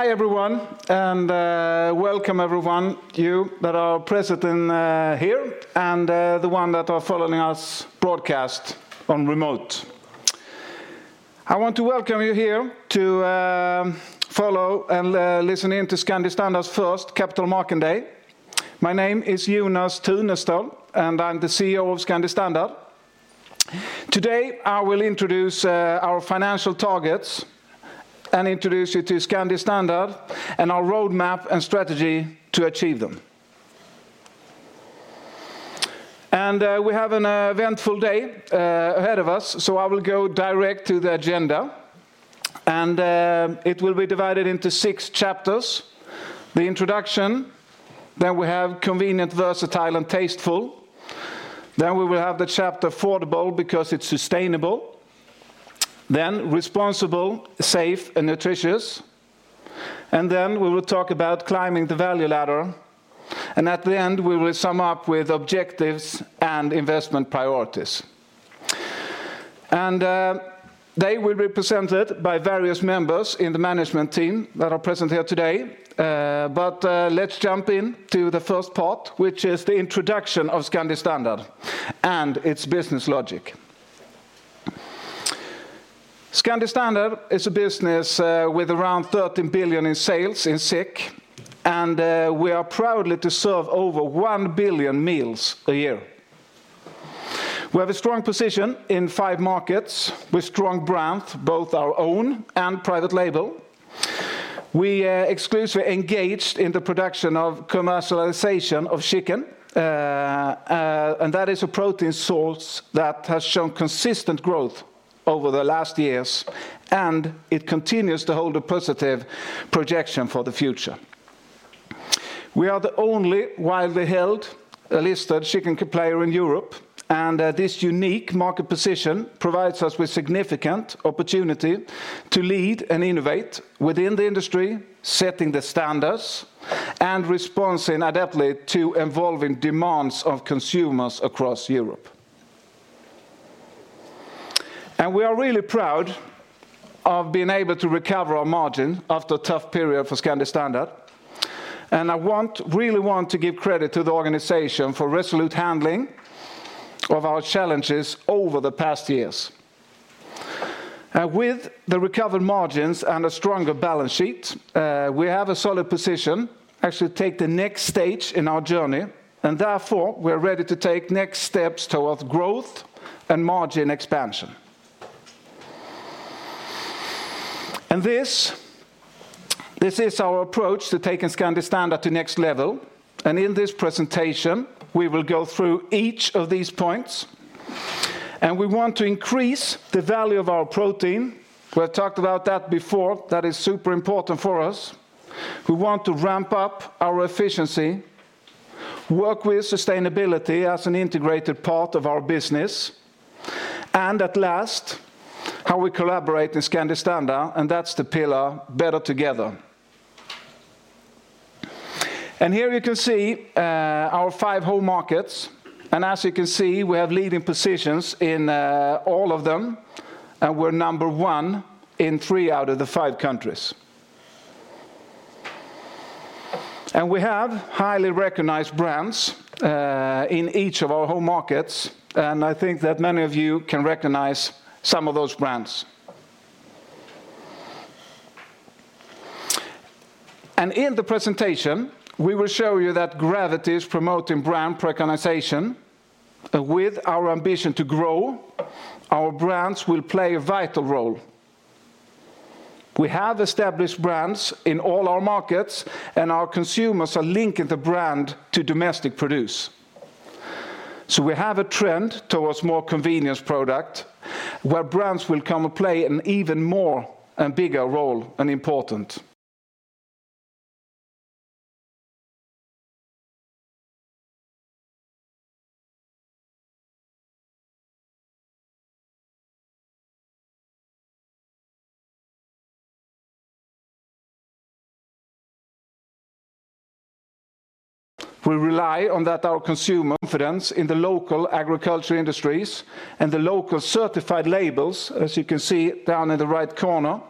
Hi, everyone, and welcome everyone, you that are present here, and the one that are following us broadcast on remote. I want to welcome you here to follow and listen in to Scandi Standard's first Capital Market Day. My name is Jonas Tunestål, and I'm the CEO of Scandi Standard. Today, I will introduce our financial targets and introduce you to Scandi Standard, and our roadmap and strategy to achieve them. We have an eventful day ahead of us, so I will go direct to the agenda, and it will be divided into six chapters. The introduction, then we have convenient, versatile, and tasteful. Then we will have the chapter affordable because it's sustainable, then responsible, safe, and nutritious. Then we will talk about climbing the value ladder, and at the end, we will sum up with objectives and investment priorities. They will be presented by various members in the management team that are present here today. But let's jump in to the first part, which is the introduction of Scandi Standard and its business logic. Scandi Standard is a business with around 13 billion in sales, and we are proudly to serve over 1 billion meals a year. We have a strong position in five markets, with strong brand, both our own and private label. We are exclusively engaged in the production of commercialization of chicken, and that is a protein source that has shown consistent growth over the last years, and it continues to hold a positive projection for the future. We are the only widely held, listed chicken player in Europe, and this unique market position provides us with significant opportunity to lead and innovate within the industry, setting the standards, and responding adeptly to evolving demands of consumers across Europe. We are really proud of being able to recover our margin after a tough period for Scandi Standard, and I want, really want to give credit to the organization for resolute handling of our challenges over the past years. With the recovered margins and a stronger balance sheet, we have a solid position, actually, to take the next stage in our journey, and therefore, we're ready to take next steps towards growth and margin expansion. This is our approach to taking Scandi Standard to next level, and in this presentation, we will go through each of these points, and we want to increase the value of our protein. We have talked about that before. That is super important for us. We want to ramp up our efficiency, work with sustainability as an integrated part of our business, and at last, how we collaborate in Scandi Standard, and that's the pillar, better together. Here you can see our five home markets, and as you can see, we have leading positions in all of them, and we're number one in three out of the five countries. We have highly recognized brands in each of our home markets, and I think that many of you can recognize some of those brands. In the presentation, we will show you that gravity is promoting brand recognition. With our ambition to grow, our brands will play a vital role. We have established brands in all our markets, and our consumers are linking the brand to domestic produce. So we have a trend towards more convenience product, where brands will come and play an even more and bigger role and important. We rely on that our consumer confidence in the local agriculture industries and the local certified labels, as you can see down in the right corner,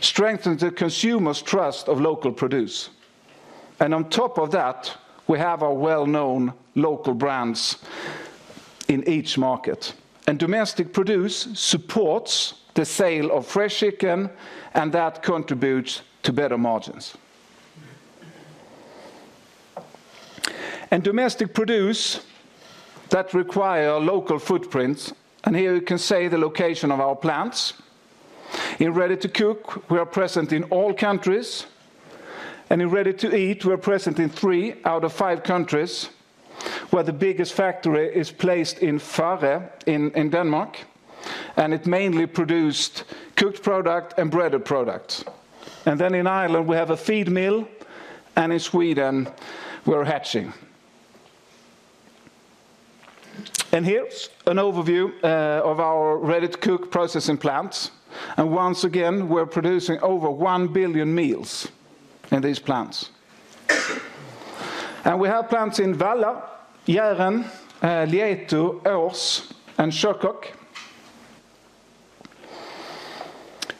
strengthen the consumer's trust of local produce. And on top of that, we have our well-known local brands in each market. And domestic produce supports the sale of fresh chicken, and that contributes to better margins. And domestic produce that require local footprints, and here you can see the location of our plants. In ready-to-cook, we are present in all countries, and in ready-to-eat, we are present in three out of five countries, where the biggest factory is placed in Farre in Denmark, and it mainly produced cooked product and breaded products. Then in Ireland, we have a feed mill, and in Sweden, we're hatching. Here's an overview of our ready-to-cook processing plants. And once again, we're producing over 1 billion meals in these plants. We have plants in Valla, Järna, Lieto, Aars, and Shercock.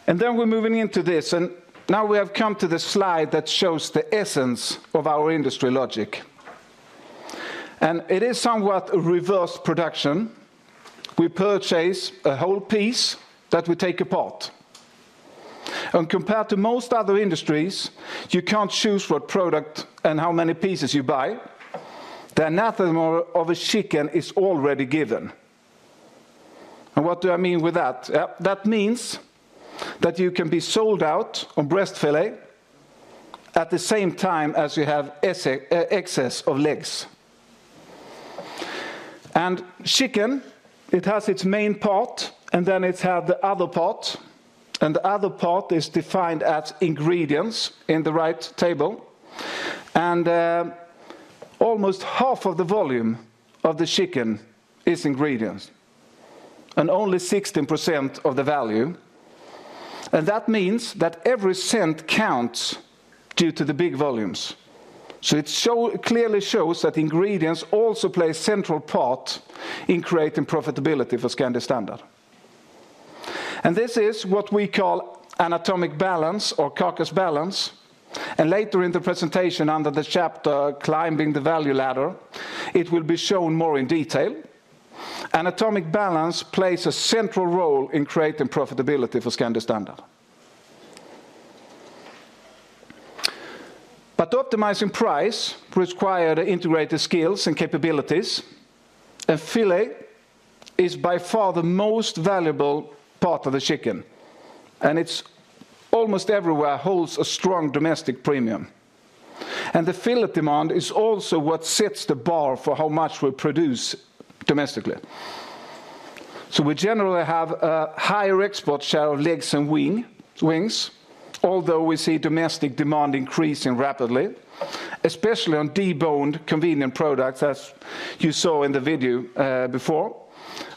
Then we're moving into this, and now we have come to the slide that shows the essence of our industry logic. It is somewhat a reverse production. We purchase a whole piece that we take apart. Compared to most other industries, you can't choose what product and how many pieces you buy. The anatomy of a chicken is already given. And what do I mean with that? That means that you can be sold out on breast filet at the same time as you have excess of legs. And chicken, it has its main part, and then it have the other part, and the other part is defined as ingredients in the right table. And almost half of the volume of the chicken is ingredients, and only 16% of the value. And that means that every cent counts due to the big volumes. So it show, clearly shows that ingredients also play a central part in creating profitability for Scandi Standard. And this is what we call anatomic balance or carcass balance, and later in the presentation, under the chapter, Climbing the Value Ladder, it will be shown more in detail. Anatomic balance plays a central role in creating profitability for Scandi Standard. But optimizing price require the integrated skills and capabilities, and filet is by far the most valuable part of the chicken, and it's almost everywhere, holds a strong domestic premium. The filet demand is also what sets the bar for how much we produce domestically. We generally have a higher export share of legs and wing, wings, although we see domestic demand increasing rapidly, especially on deboned, convenient products, as you saw in the video, before,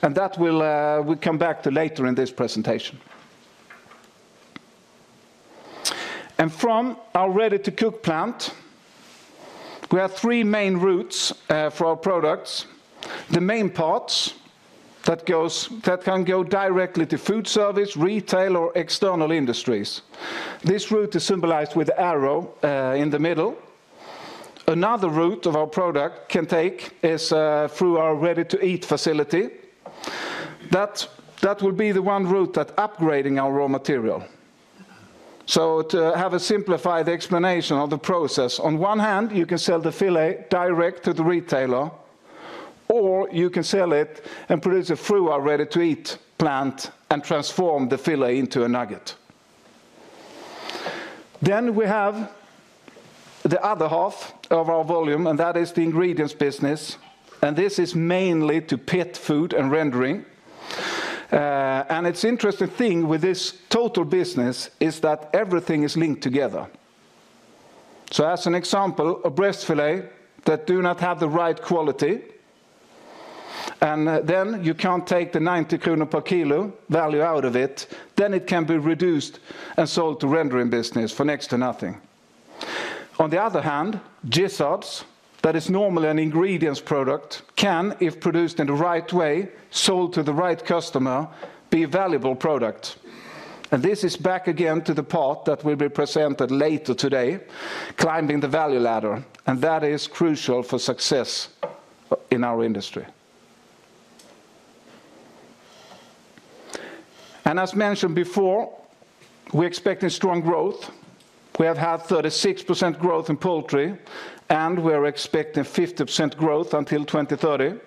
and that we'll, we'll come back to later in this presentation. From our ready-to-cook plant, we have three main routes, for our products. The main parts that can go directly to food service, retail, or external industries. This route is symbolized with the arrow, in the middle. Another route of our product can take is through our ready-to-eat facility. That will be the one route that upgrading our raw material. So to have a simplified explanation of the process, on one hand, you can sell the filet direct to the retailer, or you can sell it and produce it through our ready-to-eat plant and transform the filet into a nugget. Then, we have the other half of our volume, and that is the ingredients business, and this is mainly to pet food and rendering. And it's interesting thing with this total business is that everything is linked together. So as an example, a breast filet that do not have the right quality, and then you can't take the 90 kronor per kilo value out of it, then it can be reduced and sold to rendering business for next to nothing. On the other hand, gizzards, that is normally an ingredients product, can, if produced in the right way, sold to the right customer, be a valuable product. And this is back again to the part that will be presented later today, Climbing the Value Ladder, and that is crucial for success in our industry. And as mentioned before, we're expecting strong growth. We have had 36% growth in poultry, and we're expecting 50% growth until 2030.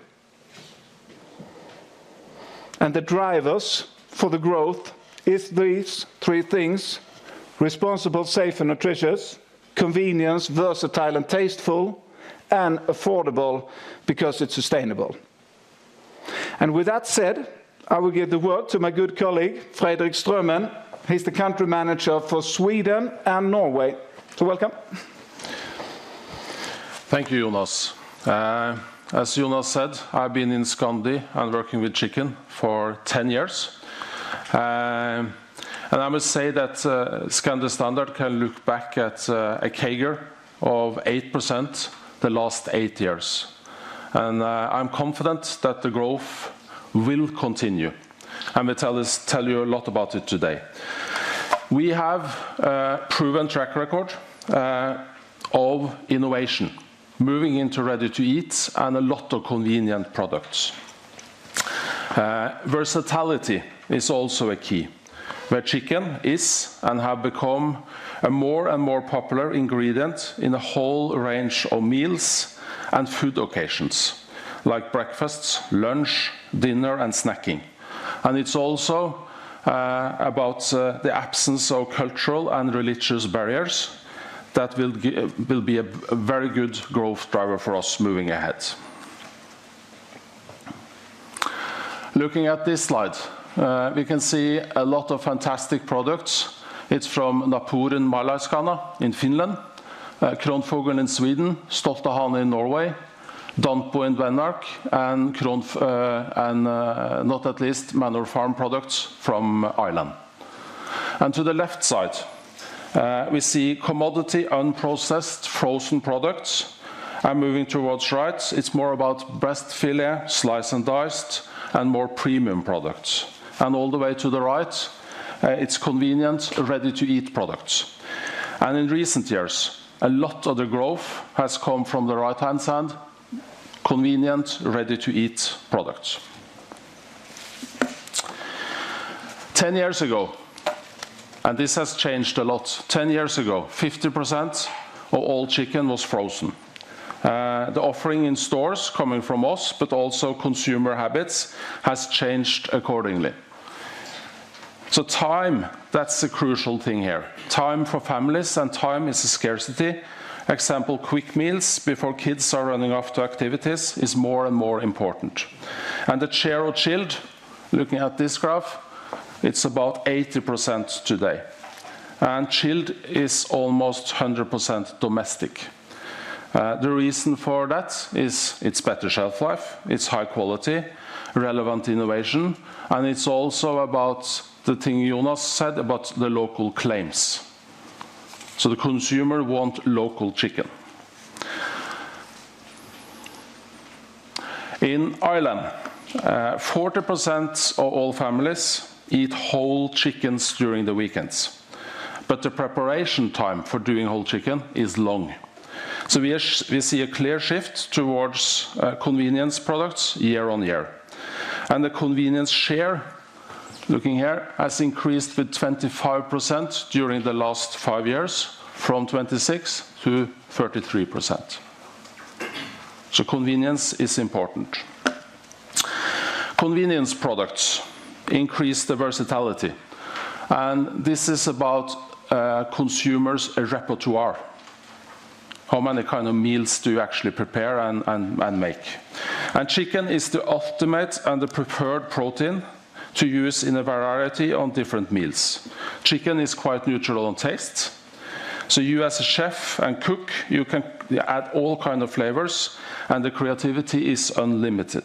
And the drivers for the growth is these three things: responsible, safe, and nutritious; convenience, versatile, and tasteful; and affordable because it's sustainable. And with that said, I will give the word to my good colleague, Fredrik Strømmen. He's the Country Manager for Sweden and Norway. So welcome. Thank you, Jonas. As Jonas said, I've been in Scandi and working with chicken for 10 years. I must say that Scandi Standard can look back at a CAGR of 8% the last 8 years, and I'm confident that the growth will continue. I will tell you a lot about it today. We have a proven track record of innovation, moving into ready-to-eat, and a lot of convenient products. Versatility is also a key, where chicken is and have become a more and more popular ingredient in a whole range of meals and food occasions, like breakfasts, lunch, dinner, and snacking. It's also about the absence of cultural and religious barriers that will be a very good growth driver for us moving ahead. Looking at this slide, we can see a lot of fantastic products. It's from Naapurin Maalaiskana in Finland, Kronfågel in Sweden, Den Stolte Hane in Norway, Danpo in Denmark, and not least Manor Farm products from Ireland. To the left side, we see commodity, unprocessed, frozen products, and moving towards right, it's more about breast filet, sliced and diced, and more premium products. All the way to the right, it's convenience, ready-to-eat products. In recent years, a lot of the growth has come from the right-hand side, convenient, ready-to-eat products. 10 years ago, and this has changed a lot. 10 years ago, 50% of all chicken was frozen. The offering in stores coming from us, but also consumer habits, has changed accordingly. Time, that's the crucial thing here. Time for families, and time is a scarcity. Example, quick meals before kids are running off to activities is more and more important. And the share of chilled, looking at this graph, it's about 80% today, and chilled is almost 100% domestic. The reason for that is it's better shelf life, it's high quality, relevant innovation, and it's also about the thing Jonas said about the local claims. So the consumer want local chicken. In Ireland, 40% of all families eat whole chickens during the weekends, but the preparation time for doing whole chicken is long. So we see a clear shift towards convenience products year on year. And the convenience share, looking here, has increased with 25% during the last five years, from 26% to 33%. So convenience is important. Convenience products increase the versatility, and this is about consumer's repertoire. How many kind of meals do you actually prepare and make? Chicken is the ultimate and the preferred protein to use in a variety of different meals. Chicken is quite neutral on taste, so you as a chef and cook, you can add all kind of flavors, and the creativity is unlimited.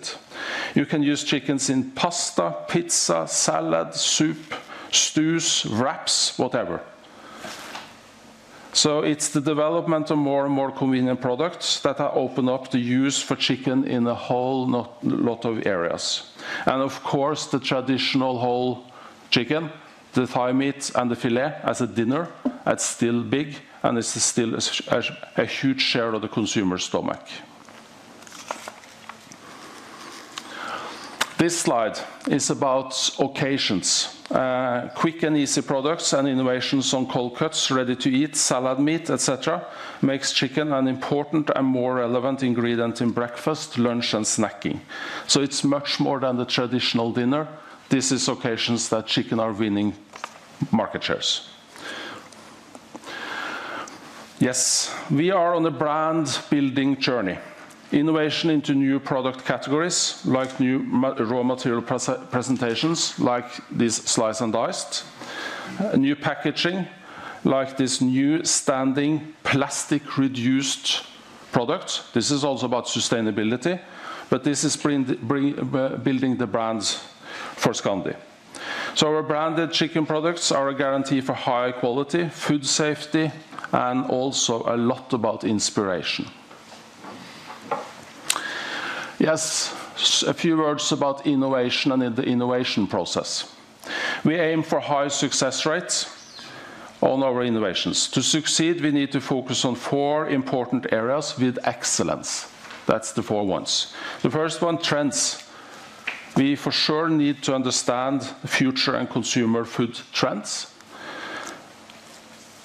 You can use chickens in pasta, pizza, salad, soup, stews, wraps, whatever. It's the development of more and more convenient products that have opened up the use for chicken in a whole lot of areas. Of course, the traditional whole chicken, the thigh meat, and the filet as a dinner, that's still big, and it's still a huge share of the consumer stomach. This slide is about occasions. Quick and easy products and innovations on cold cuts, ready-to-eat, salad meat, et cetera, makes chicken an important and more relevant ingredient in breakfast, lunch, and snacking. So it's much more than the traditional dinner. This is occasions that chicken are winning market shares. Yes, we are on a brand-building journey. Innovation into new product categories, like new raw material presentations, like this sliced and diced, new packaging, like this new standing, plastic-reduced product. This is also about sustainability, but this is building the brands for Scandi. So our branded chicken products are a guarantee for high quality, food safety, and also a lot about inspiration. Yes, a few words about innovation and the innovation process. We aim for high success rates on our innovations. To succeed, we need to focus on four important areas with excellence. That's the four ones. The first one, trends. We for sure need to understand future and consumer food trends.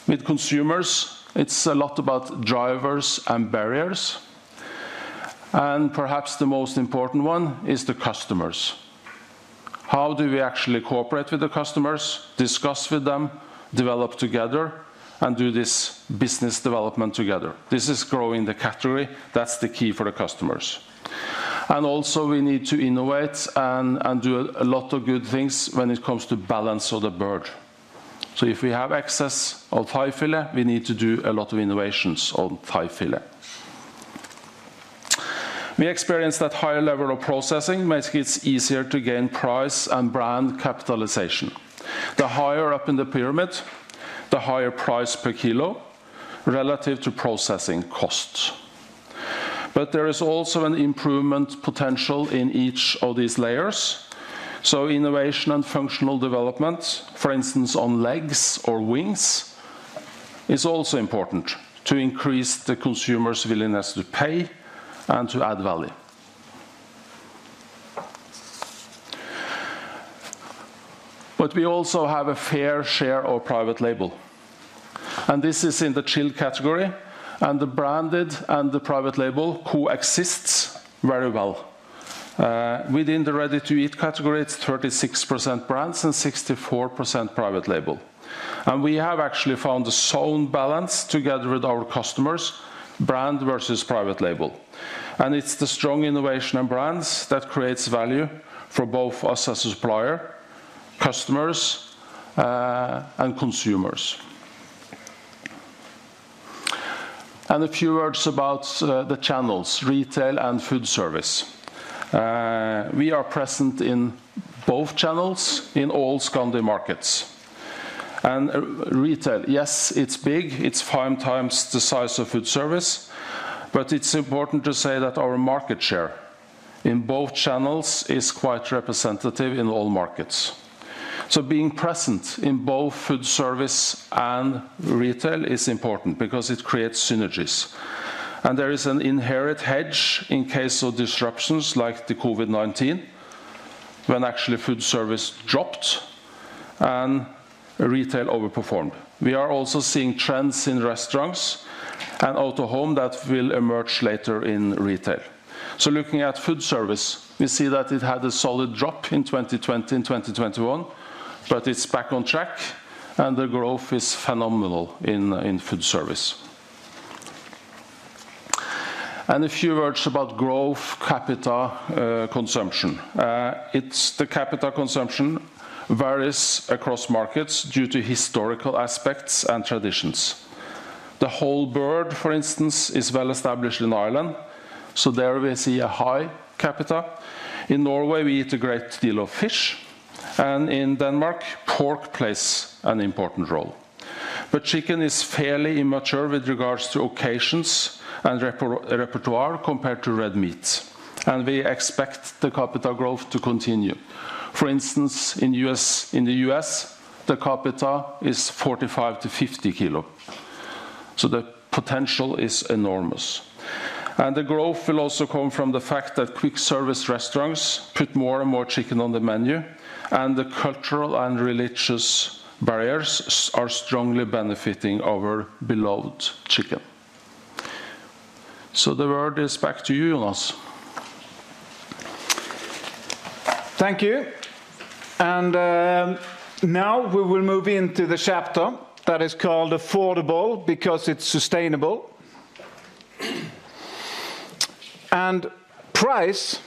With consumers, it's a lot about drivers and barriers, and perhaps the most important one is the customers. How do we actually cooperate with the customers, discuss with them, develop together, and do this business development together? This is growing the category. That's the key for the customers. And also, we need to innovate and do a lot of good things when it comes to balance of the bird. So if we have excess of thigh filet, we need to do a lot of innovations on thigh filet. We experience that higher level of processing makes it easier to gain price and brand capitalization. The higher up in the pyramid, the higher price per kilo, relative to processing cost. But there is also an improvement potential in each of these layers, so innovation and functional development, for instance, on legs or wings, is also important to increase the consumer's willingness to pay and to add value. But we also have a fair share of private label, and this is in the chilled category, and the branded and the private label, who exists very well. Within the ready-to-eat category, it's 36% brands and 64% private label. We have actually found a sound balance together with our customers, brand versus private label. It's the strong innovation and brands that creates value for both us as a supplier, customers, and consumers. A few words about the channels, retail and food service. We are present in both channels in all Scandi markets. Retail, yes, it's big, it's five times the size of food service, but it's important to say that our market share in both channels is quite representative in all markets. So being present in both food service and retail is important because it creates synergies. And there is an inherent hedge in case of disruptions like the COVID-19, when actually food service dropped and retail overperformed. We are also seeing trends in restaurants and out-of-home that will emerge later in retail. So looking at food service, we see that it had a solid drop in 2020 and 2021, but it's back on track, and the growth is phenomenal in food service. And a few words about growth per capita consumption. It's the per capita consumption varies across markets due to historical aspects and traditions. The whole bird, for instance, is well-established in Ireland, so there we see a high per capita. In Norway, we eat a great deal of fish, and in Denmark, pork plays an important role. But chicken is fairly immature with regards to occasions and repertoire compared to red meat, and we expect the per capita growth to continue. For instance, in the U.S., in the U.S., the per capita is 45-50 kilo. So the potential is enormous. And the growth will also come from the fact that quick service restaurants put more and more chicken on the menu, and the cultural and religious barriers are strongly benefiting our beloved chicken. So the word is back to you, Jonas. Thank you. Now we will move into the chapter that is called Affordable because it's sustainable. Price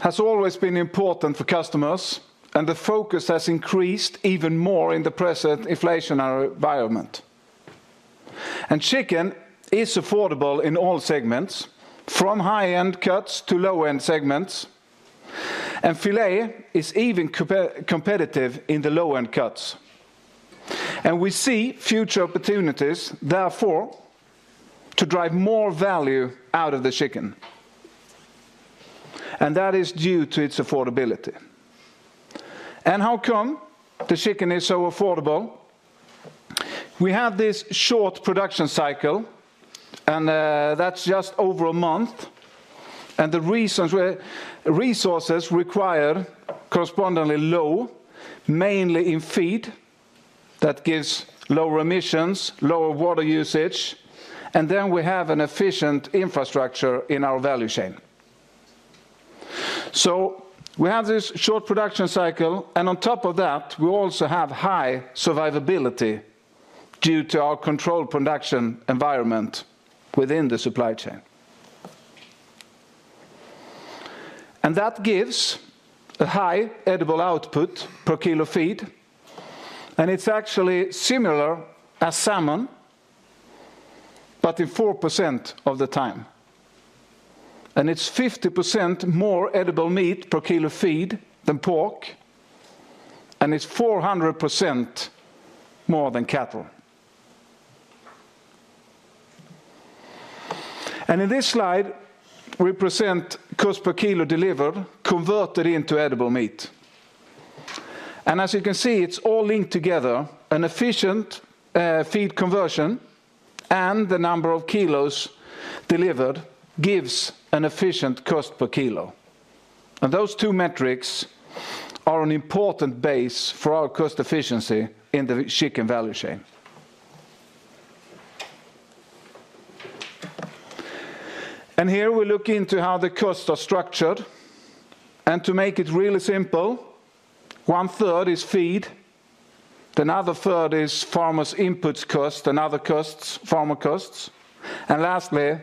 has always been important for customers, and the focus has increased even more in the present inflationary environment. Chicken is affordable in all segments, from high-end cuts to low-end segments, and filet is even competitive in the low-end cuts. We see future opportunities, therefore, to drive more value out of the chicken, and that is due to its affordability. How come the chicken is so affordable? We have this short production cycle, and that's just over a month, and the resources require correspondingly low, mainly in feed, that gives lower emissions, lower water usage, and then we have an efficient infrastructure in our value chain. So we have this short production cycle, and on top of that, we also have high survivability due to our controlled production environment within the supply chain. And that gives a high edible output per kilo feed, and it's actually similar as salmon, but in 4% of the time. And it's 50% more edible meat per kilo feed than pork, and it's 400% more than cattle. And in this slide, we present cost per kilo delivered, converted into edible meat. And as you can see, it's all linked together. An efficient, feed conversion and the number of kilos delivered gives an efficient cost per kilo. And those two metrics are an important base for our cost efficiency in the chicken value chain. And here we look into how the costs are structured. To make it really simple, one-third is feed, another third is farmer's inputs cost, and other costs, farmer costs, and lastly,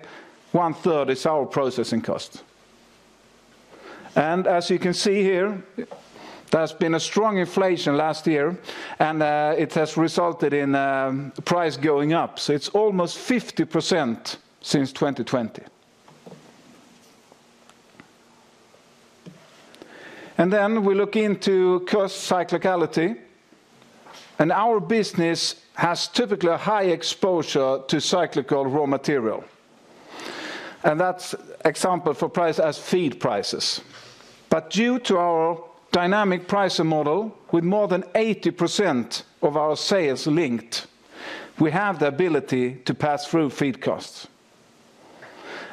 one-third is our processing cost. And as you can see here, there's been a strong inflation last year, and it has resulted in price going up. So it's almost 50% since 2020. And then we look into cost cyclicality, and our business has typically a high exposure to cyclical raw material, and that's example for price as feed prices. But due to our dynamic pricing model, with more than 80% of our sales linked, we have the ability to pass through feed costs.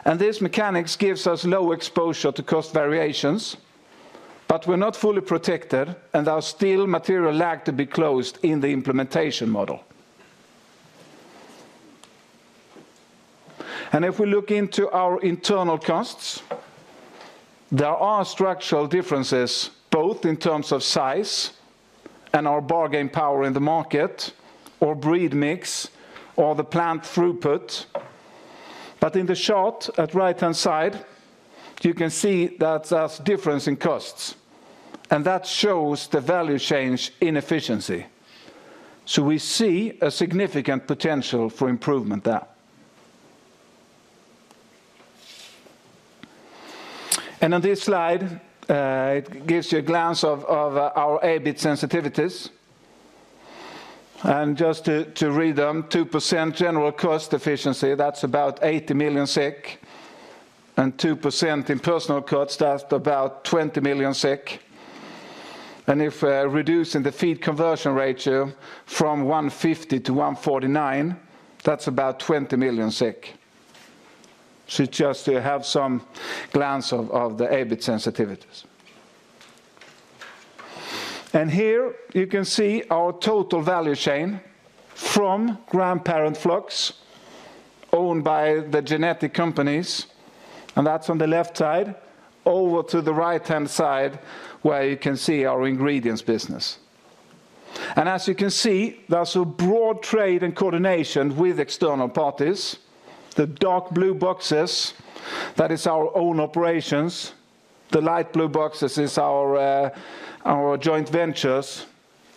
And this mechanics gives us low exposure to cost variations, but we're not fully protected, and there are still material lag to be closed in the implementation model. If we look into our internal costs, there are structural differences, both in terms of size and our bargain power in the market, or breed mix, or the plant throughput. But in the chart at right-hand side, you can see that there's difference in costs, and that shows the value chain's inefficiency. So we see a significant potential for improvement there. On this slide, it gives you a glance of our EBIT sensitivities. Just to read them, 2% general cost efficiency, that's about 80 million SEK, and 2% in personal costs, that's about 20 million SEK. If reducing the feed conversion ratio from 1.50 to 1.49, that's about 20 million SEK. So just to have some glance of the EBIT sensitivities. Here you can see our total value chain from grandparent flocks, owned by the genetic companies, and that's on the left side, over to the right-hand side, where you can see our ingredients business. As you can see, there's a broad trade and coordination with external parties. The dark blue boxes, that is our own operations, the light blue boxes is our, our joint ventures,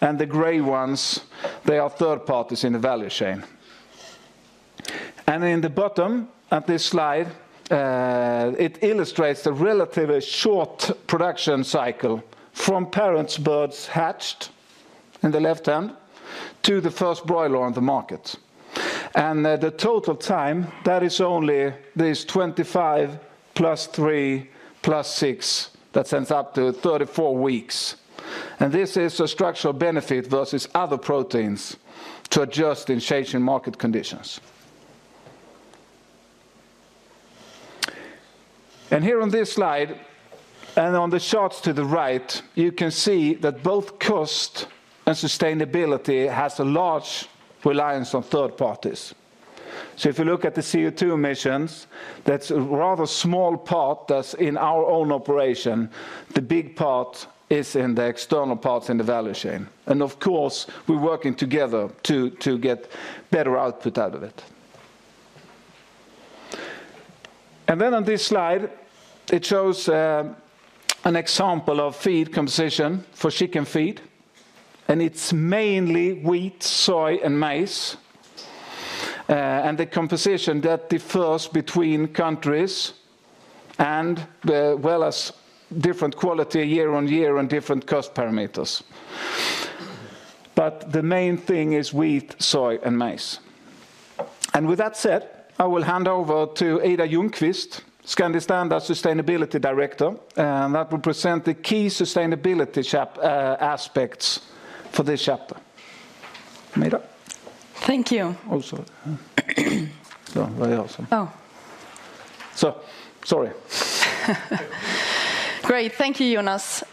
and the gray ones, they are third parties in the value chain. In the bottom of this slide, it illustrates the relatively short production cycle from parent's birds hatched, in the left hand, to the first broiler on the market. The total time, that is only this 25 + 3 + 6, that sums up to 34 weeks. This is a structural benefit versus other proteins to adjust in changing market conditions. And here on this slide, and on the charts to the right, you can see that both cost and sustainability has a large reliance on third parties. So if you look at the CO₂ emissions, that's a rather small part that's in our own operation. The big part is in the external parts in the value chain. And of course, we're working together to get better output out of it. And then on this slide, it shows an example of feed composition for chicken feed, and it's mainly wheat, soy, and maize. And the composition that differs between countries and, well, as different quality year on year and different cost parameters. But the main thing is wheat, soy, and maize. With that said, I will hand over to Ida Ljungkvist, Scandi Standard Sustainability Director, and that will present the key sustainability aspects for this chapter. Ida. Thank you. Also, so very also. Oh. So, sorry. Great. Thank you, Jonas.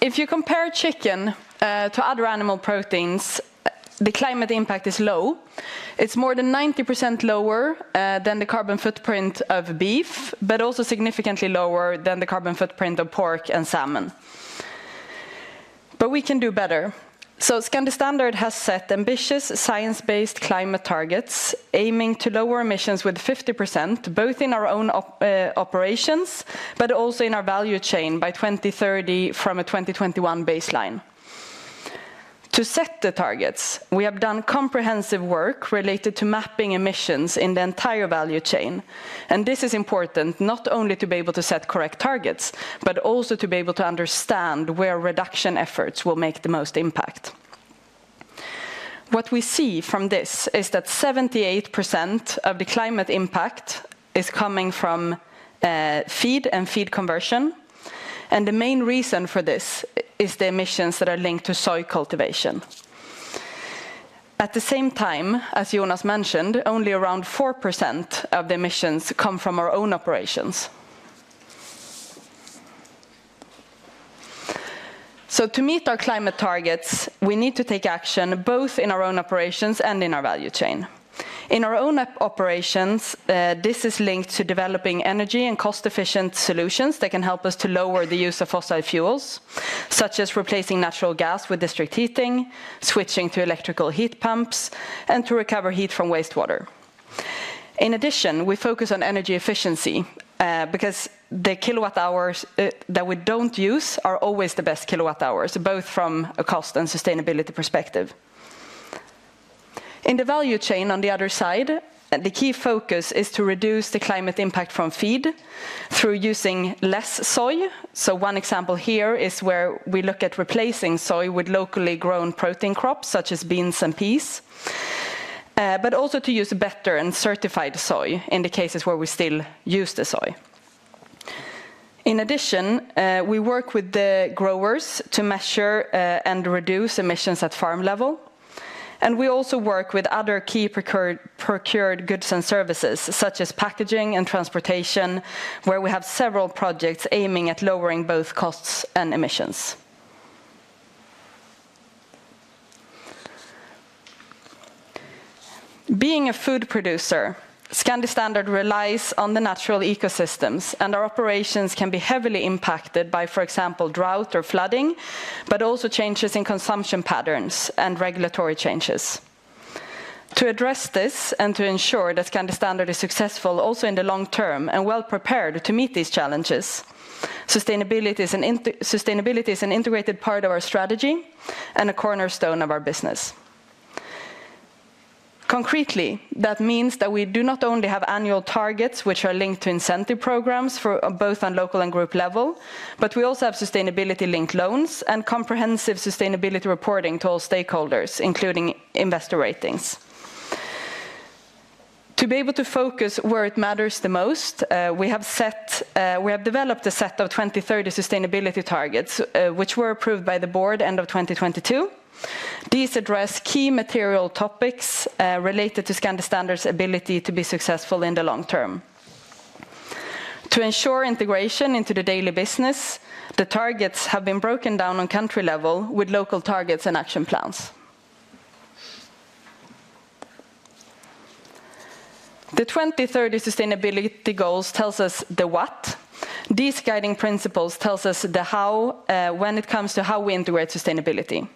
If you compare chicken to other animal proteins, the climate impact is low. It's more than 90% lower than the carbon footprint of beef, but also significantly lower than the carbon footprint of pork and salmon. But we can do better. So Scandi Standard has set ambitious science-based climate targets, aiming to lower emissions with 50%, both in our own operations, but also in our value chain by 2030 from a 2021 baseline. To set the targets, we have done comprehensive work related to mapping emissions in the entire value chain, and this is important, not only to be able to set correct targets, but also to be able to understand where reduction efforts will make the most impact. What we see from this is that 78% of the climate impact is coming from feed and feed conversion, and the main reason for this is the emissions that are linked to soy cultivation. At the same time, as Jonas mentioned, only around 4% of the emissions come from our own operations. So to meet our climate targets, we need to take action, both in our own operations and in our value chain. In our own operations, this is linked to developing energy and cost-efficient solutions that can help us to lower the use of fossil fuels, such as replacing natural gas with district heating, switching to electrical heat pumps, and to recover heat from wastewater. In addition, we focus on energy efficiency, because the kilowatt hours that we don't use are always the best kilowatt hours, both from a cost and sustainability perspective. In the value chain, on the other side, the key focus is to reduce the climate impact from feed through using less soy. One example here is where we look at replacing soy with locally grown protein crops, such as beans and peas, but also to use better and certified soy in the cases where we still use the soy. In addition, we work with the growers to measure and reduce emissions at farm level. We also work with other key procured goods and services, such as packaging and transportation, where we have several projects aiming at lowering both costs and emissions. Being a food producer, Scandi Standard relies on the natural ecosystems, and our operations can be heavily impacted by, for example, drought or flooding, but also changes in consumption patterns and regulatory changes. To address this and to ensure that Scandi Standard is successful also in the long term and well-prepared to meet these challenges, sustainability is an integrated part of our strategy and a cornerstone of our business. Concretely, that means that we do not only have annual targets which are linked to incentive programs for both on local and group level, but we also have sustainability-linked loans and comprehensive sustainability reporting to all stakeholders, including investor ratings. To be able to focus where it matters the most, we have developed a set of 2030 sustainability targets, which were approved by the board end of 2022. These address key material topics related to Scandi Standard's ability to be successful in the long term. To ensure integration into the daily business, the targets have been broken down on country level with local targets and action plans. The 2030 sustainability goals tells us the what. These guiding principles tells us the how, when it comes to how we integrate sustainability.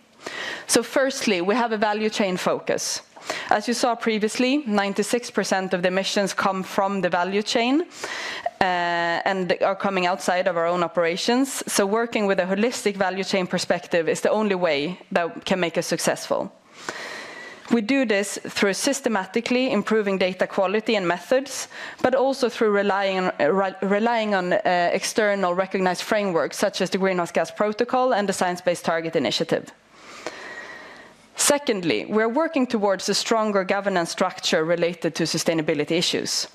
Firstly, we have a value chain focus. As you saw previously, 96% of the emissions come from the value chain and are coming outside of our own operations. Working with a holistic value chain perspective is the only way that can make us successful. We do this through systematically improving data quality and methods, but also through relying on external recognized frameworks, such as the Greenhouse Gas Protocol and the Science-Based Target Initiative. Secondly, we're working towards a stronger governance structure related to sustainability issues,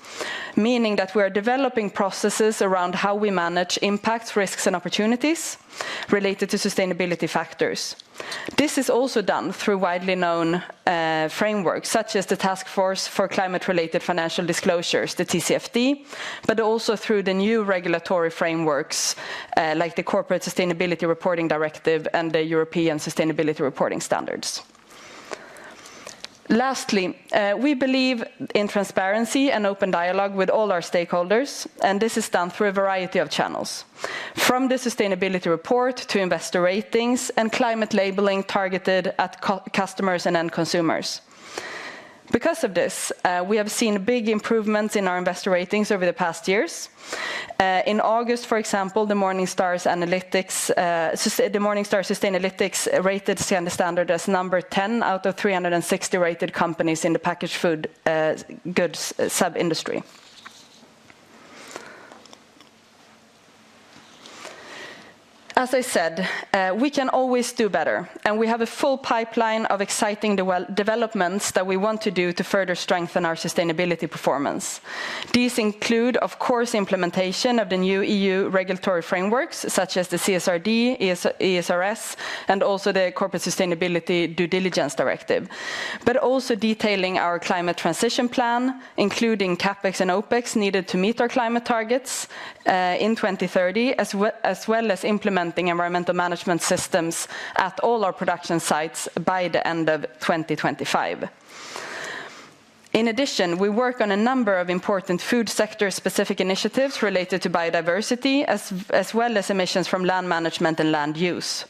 meaning that we are developing processes around how we manage impacts, risks, and opportunities related to sustainability factors. This is also done through widely known frameworks, such as the Task Force for Climate-Related Financial Disclosures, the TCFD, but also through the new regulatory frameworks, like the Corporate Sustainability Reporting Directive and the European Sustainability Reporting Standards. Lastly, we believe in transparency and open dialogue with all our stakeholders, and this is done through a variety of channels, from the sustainability report to investor ratings and climate labeling targeted at customers and end consumers. Because of this, we have seen big improvements in our investor ratings over the past years. In August, for example, the Morningstar Sustainalytics rated Scandi Standard as number 10 out of 360 rated companies in the packaged food goods sub-industry. As I said, we can always do better, and we have a full pipeline of exciting developments that we want to do to further strengthen our sustainability performance. These include, of course, implementation of the new EU regulatory frameworks, such as the CSRD, ESRS, and also the Corporate Sustainability Due Diligence Directive, but also detailing our climate transition plan, including CapEx and OpEx, needed to meet our climate targets in 2030 as well as implementing environmental management systems at all our production sites by the end of 2025. In addition, we work on a number of important food sector-specific initiatives related to biodiversity, as well as emissions from land management and land use.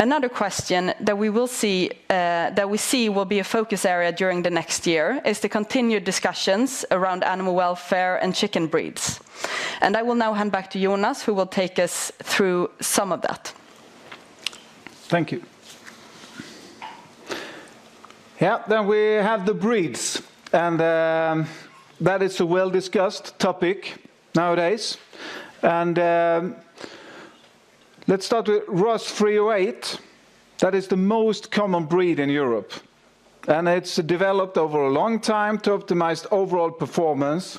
Another question that we will see, that we see will be a focus area during the next year is the continued discussions around animal welfare and chicken breeds. And I will now hand back to Jonas, who will take us through some of that. Thank you. Yeah, then we have the breeds, and that is a well-discussed topic nowadays. Let's start with Ross 308. That is the most common breed in Europe, and it's developed over a long time to optimize overall performance,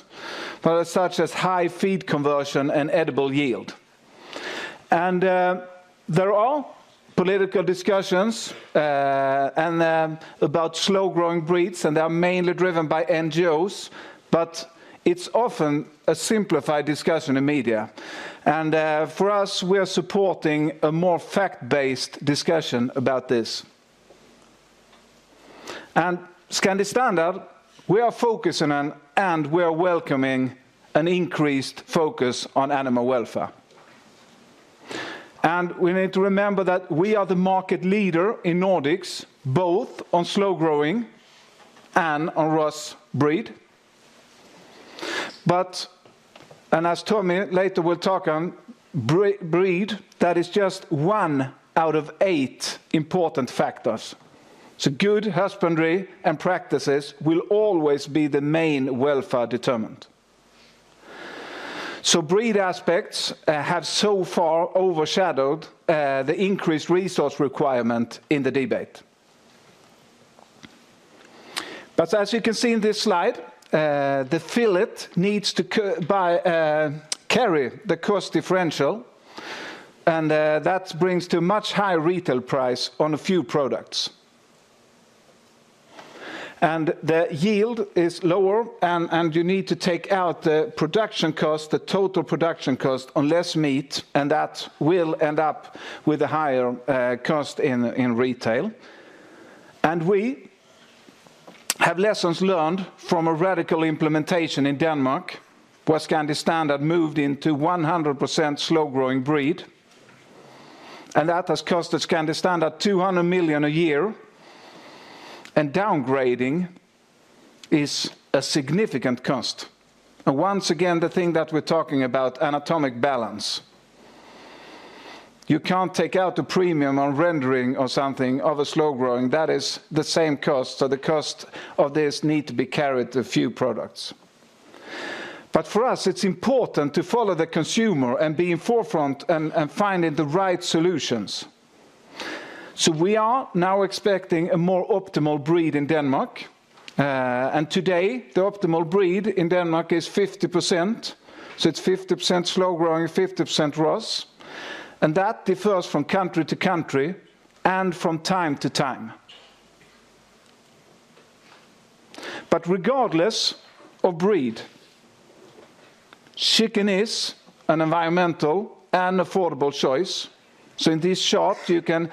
such as high feed conversion and edible yield. There are political discussions about slow-growing breeds, and they are mainly driven by NGOs, but it's often a simplified discussion in media. For us, we are supporting a more fact-based discussion about this. Scandi Standard, we are focusing on, and we are welcoming an increased focus on animal welfare. We need to remember that we are the market leader in Nordics, both on slow-growing and on Ross breed. As Tommi later will talk on breed, that is just one out of eight important factors. Good husbandry and practices will always be the main welfare determinant. Breed aspects have so far overshadowed the increased resource requirement in the debate. But as you can see in this slide, the fillet needs to carry the cost differential, and that brings to much higher retail price on a few products. And the yield is lower, and you need to take out the production cost, the total production cost, on less meat, and that will end up with a higher cost in retail. We have lessons learned from a radical implementation in Denmark, where Scandi Standard moved into 100% slow-growing breed, and that has cost Scandi Standard 200 million a year, and downgrading is a significant cost. And once again, the thing that we're talking about, anatomic balance. You can't take out a premium on rendering or something of a slow-growing, that is the same cost, so the cost of this need to be carried to few products. But for us, it's important to follow the consumer and be in forefront and, and finding the right solutions. So we are now expecting a more optimal breed in Denmark, and today, the optimal breed in Denmark is 50%, so it's 50% slow-growing, 50% Ross, and that differs from country to country and from time to time. But regardless of breed, chicken is an environmental and affordable choice. So in this chart, you can,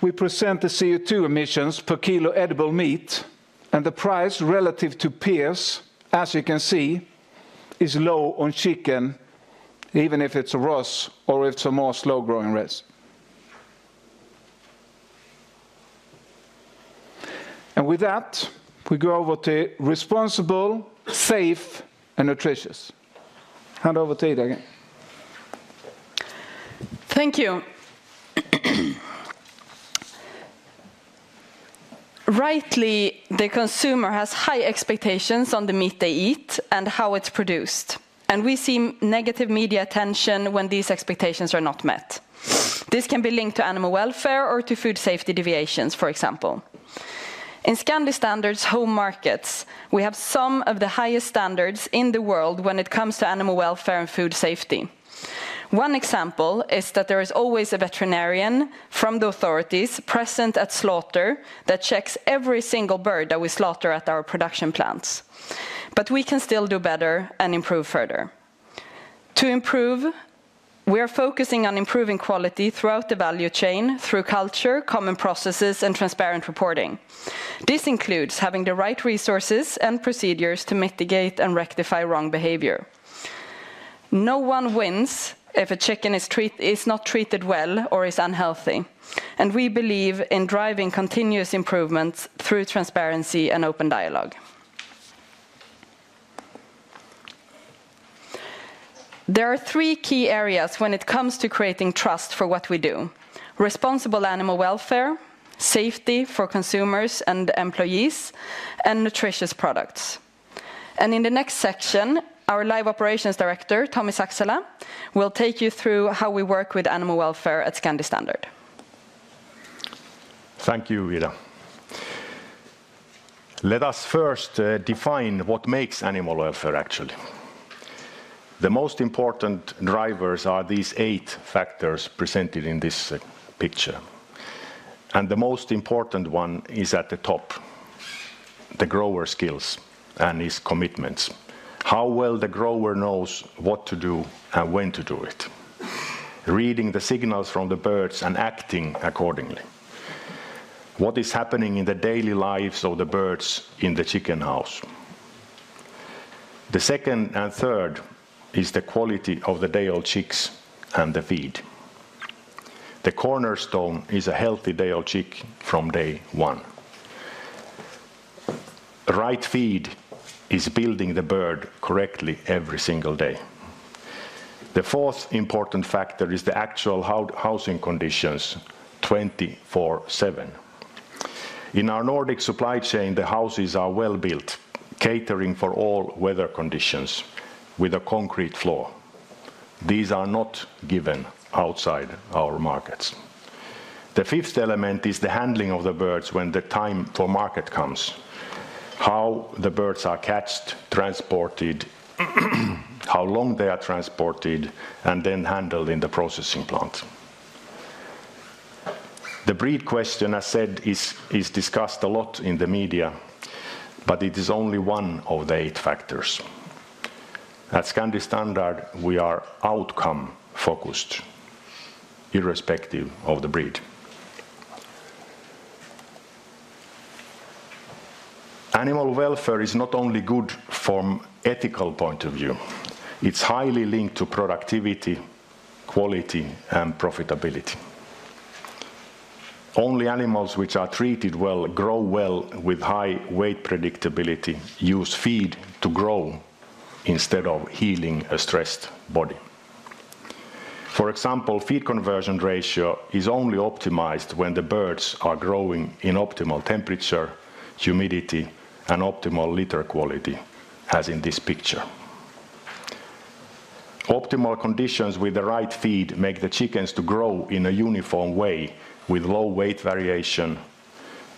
we present the CO₂ emissions per kilo edible meat, and the price relative to peers, as you can see, is low on chicken, even if it's a Ross or if it's a more slow-growing race. With that, we go over to responsible, safe, and nutritious. Hand over to you, Ida. Thank you. Rightly, the consumer has high expectations on the meat they eat and how it's produced, and we see negative media attention when these expectations are not met. This can be linked to animal welfare or to food safety deviations, for example. In Scandi Standard's home markets, we have some of the highest standards in the world when it comes to animal welfare and food safety. One example is that there is always a veterinarian from the authorities present at slaughter that checks every single bird that we slaughter at our production plants. But we can still do better and improve further. To improve, we are focusing on improving quality throughout the value chain through culture, common processes, and transparent reporting. This includes having the right resources and procedures to mitigate and rectify wrong behavior. No one wins if a chicken is treated well or is unhealthy, and we believe in driving continuous improvements through transparency and open dialogue. There are three key areas when it comes to creating trust for what we do: responsible animal welfare, safety for consumers and employees, and nutritious products. In the next section, our Live Operations Director, Tommi Saksala, will take you through how we work with animal welfare at Scandi Standard. Thank you, Ida. Let us first define what makes animal welfare, actually. The most important drivers are these eight factors presented in this picture, and the most important one is at the top, the grower skills and his commitments. How well the grower knows what to do and when to do it. Reading the signals from the birds and acting accordingly. What is happening in the daily lives of the birds in the chicken house? The second and third is the quality of the day-old chicks and the feed. The cornerstone is a healthy day-old chick from day one. The right feed is building the bird correctly every single day. The fourth important factor is the actual housing conditions, 24/7. In our Nordic supply chain, the houses are well built, catering for all weather conditions with a concrete floor. These are not given outside our markets. The fifth element is the handling of the birds when the time for market comes. How the birds are caught, transported, how long they are transported, and then handled in the processing plant. The breed question, I said, is discussed a lot in the media, but it is only one of the eight factors. At Scandi Standard, we are outcome-focused, irrespective of the breed. Animal welfare is not only good from ethical point of view, it's highly linked to productivity, quality, and profitability. Only animals which are treated well grow well with high weight predictability, use feed to grow instead of healing a stressed body. For example, feed conversion ratio is only optimized when the birds are growing in optimal temperature, humidity, and optimal litter quality, as in this picture. Optimal conditions with the right feed make the chickens to grow in a uniform way with low weight variation,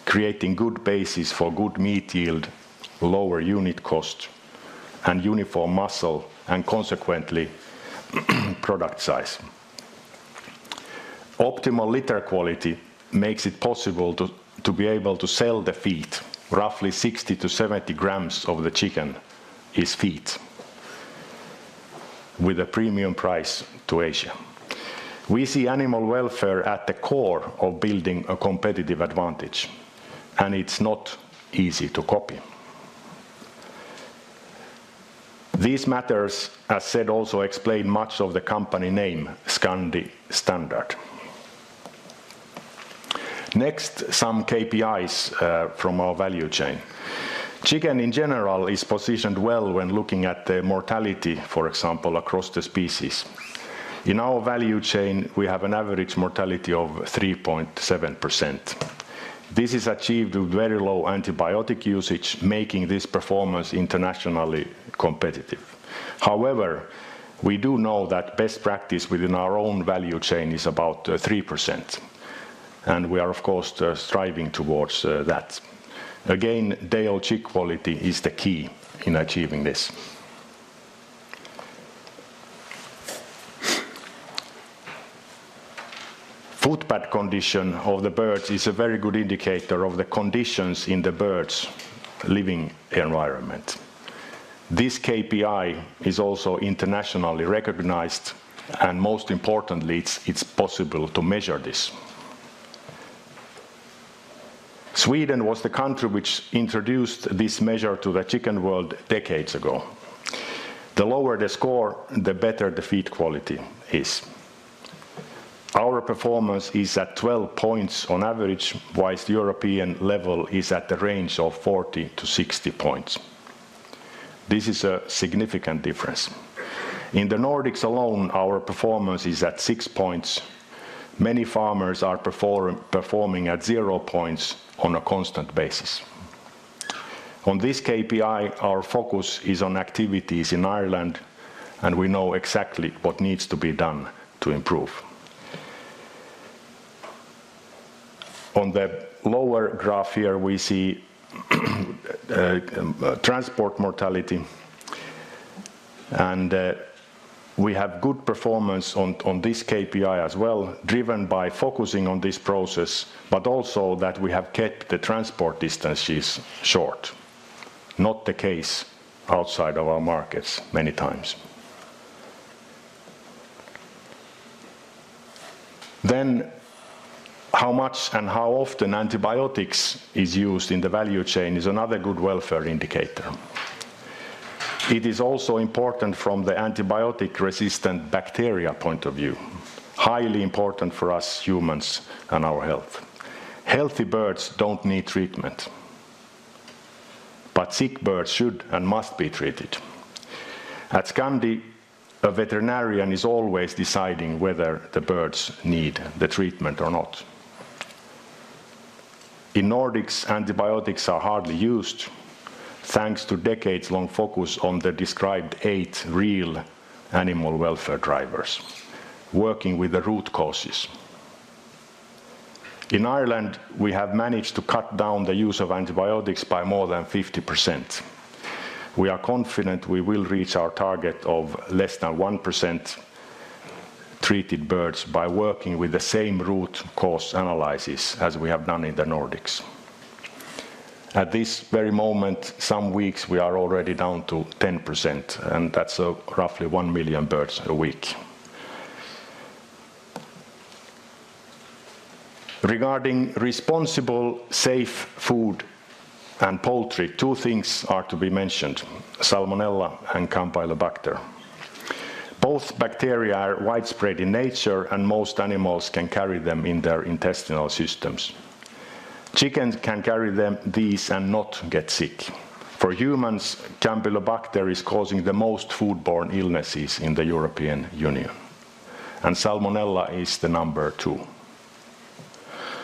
creating good basis for good meat yield, lower unit cost, and uniform muscle, and consequently, product size. Optimal litter quality makes it possible to be able to sell the feet. Roughly 60-70 grams of the chicken is feet with a premium price to Asia. We see animal welfare at the core of building a competitive advantage, and it's not easy to copy. These matters, as said, also explain much of the company name, Scandi Standard. Next, some KPIs from our value chain. Chicken, in general, is positioned well when looking at the mortality, for example, across the species. In our value chain, we have an average mortality of 3.7%. This is achieved with very low antibiotic usage, making this performance internationally competitive. However, we do know that best practice within our own value chain is about 3%, and we are, of course, striving towards that. Again, day-old chick quality is the key in achieving this. Footpad condition of the birds is a very good indicator of the conditions in the birds' living environment. This KPI is also internationally recognized, and most importantly, it's possible to measure this. Sweden was the country which introduced this measure to the chicken world decades ago. The lower the score, the better the feet quality is. Our performance is at 12 points on average, whilst the European level is at the range of 40-60 points. This is a significant difference. In the Nordics alone, our performance is at 6 points. Many farmers are performing at 0 points on a constant basis. On this KPI, our focus is on activities in Ireland, and we know exactly what needs to be done to improve. On the lower graph here, we see transport mortality, and we have good performance on this KPI as well, driven by focusing on this process, but also that we have kept the transport distances short. Not the case outside of our markets many times. Then, how much and how often antibiotics is used in the value chain is another good welfare indicator. It is also important from the antibiotic-resistant bacteria point of view, highly important for us humans and our health. Healthy birds don't need treatment, but sick birds should and must be treated. At Scandi, a veterinarian is always deciding whether the birds need the treatment or not. In Nordics, antibiotics are hardly used, thanks to decades-long focus on the described eight real animal welfare drivers, working with the root causes. In Ireland, we have managed to cut down the use of antibiotics by more than 50%. We are confident we will reach our target of less than 1% treated birds by working with the same root cause analysis as we have done in the Nordics. At this very moment, some weeks, we are already down to 10%, and that's roughly 1 million birds a week. Regarding responsible, safe food and poultry, two things are to be mentioned: Salmonella and Campylobacter. Both bacteria are widespread in nature, and most animals can carry them in their intestinal systems. Chickens can carry them, these and not get sick. For humans, Campylobacter is causing the most foodborne illnesses in the European Union, and Salmonella is the number two.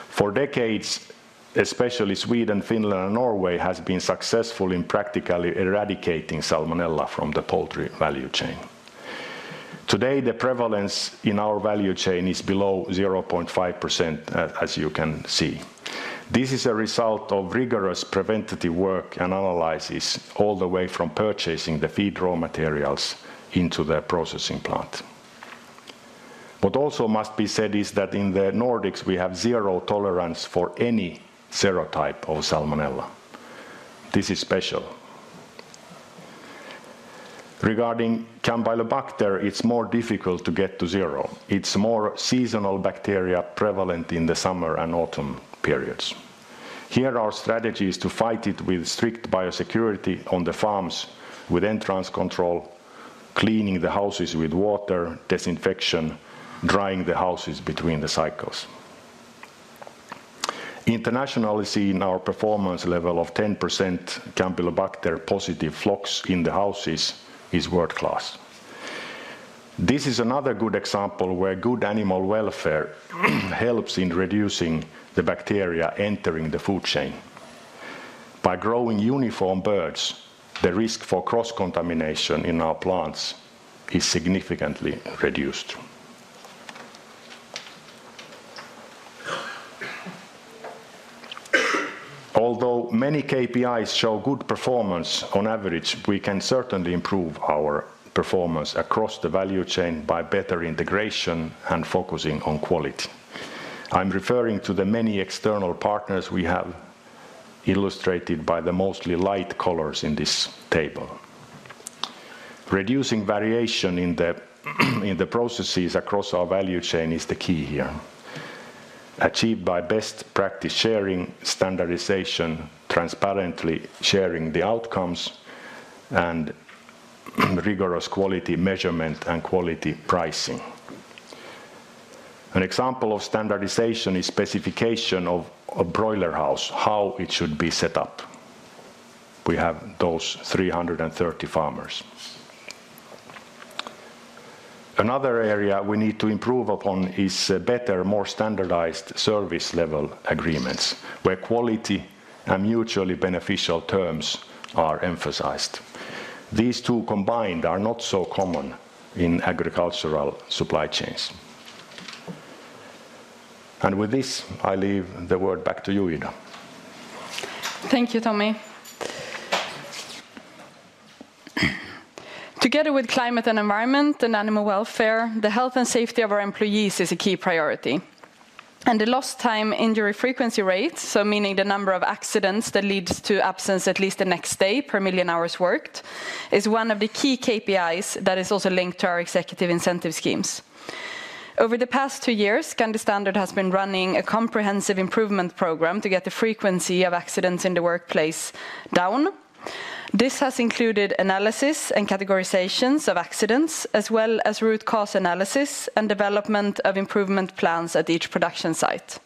For decades, especially Sweden, Finland, and Norway, has been successful in practically eradicating Salmonella from the poultry value chain. Today, the prevalence in our value chain is below 0.5%, as you can see. This is a result of rigorous preventative work and analysis all the way from purchasing the feed raw materials into the processing plant. What also must be said is that in the Nordics, we have zero tolerance for any serotype of Salmonella. This is special. Regarding Campylobacter, it's more difficult to get to zero. It's more seasonal bacteria prevalent in the summer and autumn periods. Here, our strategy is to fight it with strict biosecurity on the farms, with entrance control, cleaning the houses with water, disinfection, drying the houses between the cycles. Internationally, seeing our performance level of 10% Campylobacter positive flocks in the houses is world-class. This is another good example where good animal welfare helps in reducing the bacteria entering the food chain. By growing uniform birds, the risk for cross-contamination in our plants is significantly reduced. Although many KPIs show good performance on average, we can certainly improve our performance across the value chain by better integration and focusing on quality. I'm referring to the many external partners we have, illustrated by the mostly light colors in this table. Reducing variation in the processes across our value chain is the key here, achieved by best practice sharing, standardization, transparently sharing the outcomes, and rigorous quality measurement and quality pricing. An example of standardization is specification of a broiler house, how it should be set up. We have those 330 farmers. Another area we need to improve upon is better, more standardized service level agreements, where quality and mutually beneficial terms are emphasized. These two combined are not so common in agricultural supply chains. And with this, I leave the word back to you, Ida. Thank you, Tommi. Together with climate and environment and animal welfare, the health and safety of our employees is a key priority. The lost time injury frequency rate, so meaning the number of accidents that leads to absence at least the next day per million hours worked, is one of the key KPIs that is also linked to our executive incentive schemes. Over the past two years, Scandi Standard has been running a comprehensive improvement program to get the frequency of accidents in the workplace down. This has included analysis and categorizations of accidents, as well as root cause analysis and development of improvement plans at each production site.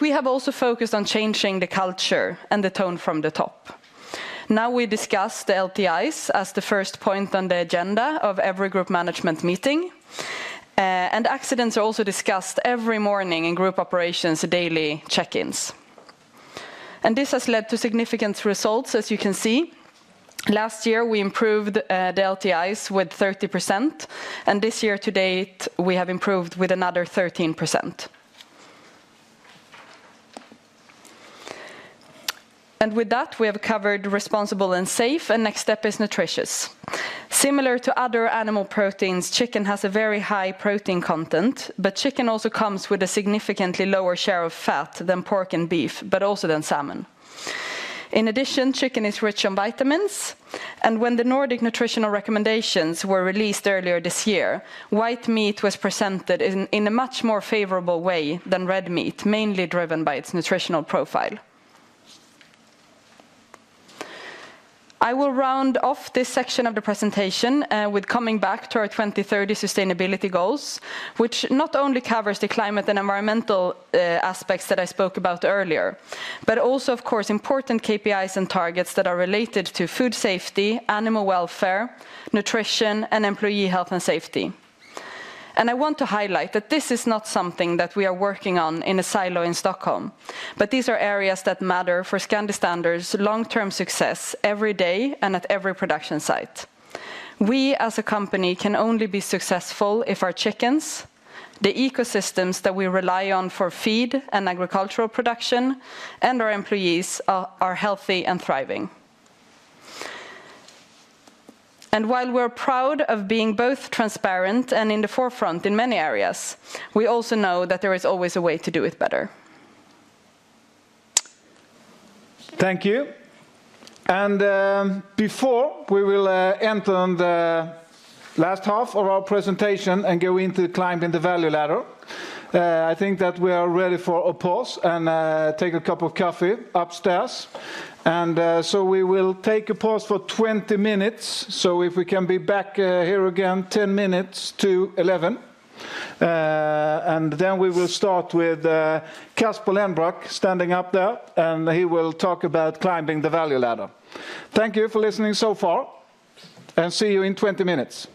We have also focused on changing the culture and the tone from the top. Now, we discuss the LTIs as the first point on the agenda of every group management meeting, and accidents are also discussed every morning in group operations' daily check-ins. This has led to significant results, as you can see. Last year, we improved the LTIs with 30%, and this year to date, we have improved with another 13%. With that, we have covered responsible and safe, and next step is nutritious. Similar to other animal proteins, chicken has a very high protein content, but chicken also comes with a significantly lower share of fat than pork and beef, but also than salmon. In addition, chicken is rich in vitamins, and when the Nordic nutritional recommendations were released earlier this year, white meat was presented in a much more favorable way than red meat, mainly driven by its nutritional profile. I will round off this section of the presentation with coming back to our 2030 sustainability goals, which not only covers the climate and environmental aspects that I spoke about earlier, but also, of course, important KPIs and targets that are related to food safety, animal welfare, nutrition, and employee health and safety. I want to highlight that this is not something that we are working on in a silo in Stockholm, but these are areas that matter for Scandi Standard's long-term success every day and at every production site. We, as a company, can only be successful if our chickens, the ecosystems that we rely on for feed and agricultural production, and our employees are healthy and thriving. While we're proud of being both transparent and in the forefront in many areas, we also know that there is always a way to do it better. Thank you. Before we will enter on the last half of our presentation and go into climbing the value ladder, I think that we are ready for a pause and take a cup of coffee upstairs. So we will take a pause for 20 minutes. If we can be back here again, 10 minutes to 11, and then we will start with Kasper Lenbroch standing up there, and he will talk about climbing the value ladder. Thank you for listening so far, and see you in 20 minutes.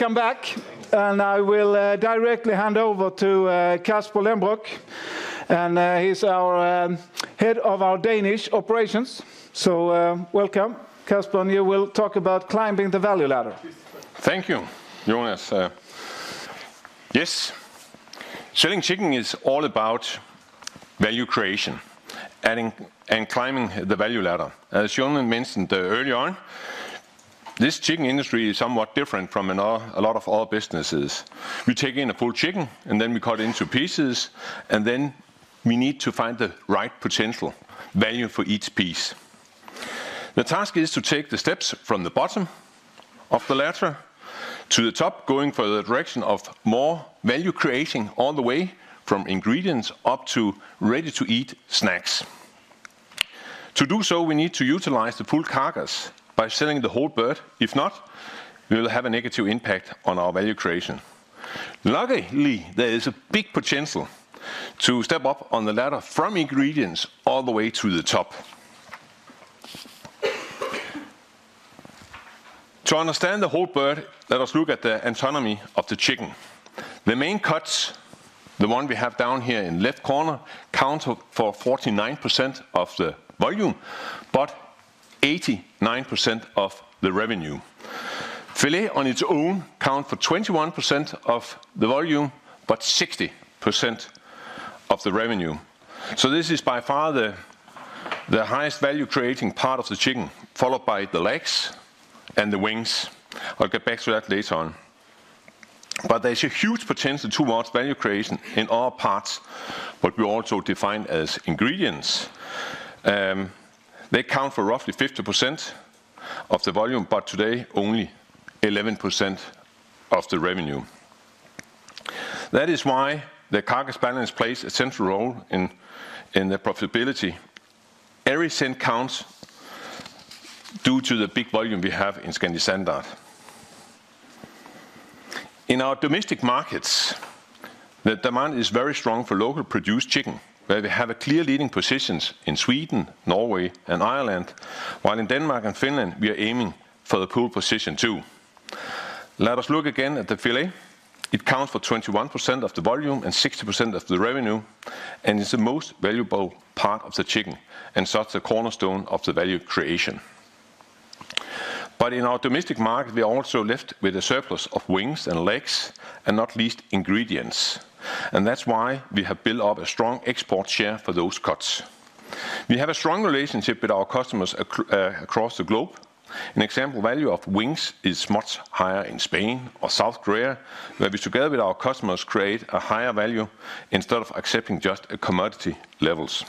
So, welcome back, and I will directly hand over to Kasper Lenbroch, and he's our head of our Danish operations. So, welcome, Kasper, and you will talk about climbing the value ladder. Thank you, Jonas. Yes, selling chicken is all about value creation, adding, and climbing the value ladder. As Jonas mentioned, early on, this chicken industry is somewhat different from a lot of other businesses. We take in a full chicken, and then we cut it into pieces, and then we need to find the right potential value for each piece. The task is to take the steps from the bottom of the ladder to the top, going for the direction of more value creation, all the way from ingredients up to ready-to-eat snacks. To do so, we need to utilize the full carcass by selling the whole bird. If not, we will have a negative impact on our value creation. Luckily, there is a big potential to step up on the ladder from ingredients all the way to the top. To understand the whole bird, let us look at the anatomy of the chicken. The main cuts, the one we have down here in left corner, account for 49% of the volume, but 89% of the revenue. Fillet on its own account for 21% of the volume, but 60% of the revenue. So this is by far the highest value-creating part of the chicken, followed by the legs and the wings. I'll get back to that later on. But there's a huge potential towards value creation in all parts, what we also define as ingredients. They account for roughly 50% of the volume, but today, only 11% of the revenue. That is why the carcass balance plays a central role in the profitability. Every cent counts due to the big volume we have in Scandi Standard. In our domestic markets, the demand is very strong for locally produced chicken, where we have a clear leading positions in Sweden, Norway, and Ireland. While in Denmark and Finland, we are aiming for the pole position, too. Let us look again at the fillet. It accounts for 21% of the volume and 60% of the revenue, and it's the most valuable part of the chicken, and such a cornerstone of the value creation. But in our domestic market, we are also left with a surplus of wings and legs, and not least, ingredients, and that's why we have built up a strong export share for those cuts. We have a strong relationship with our customers across the globe. An example, value of wings is much higher in Spain or South Korea, where we, together with our customers, create a higher value instead of accepting just a commodity levels.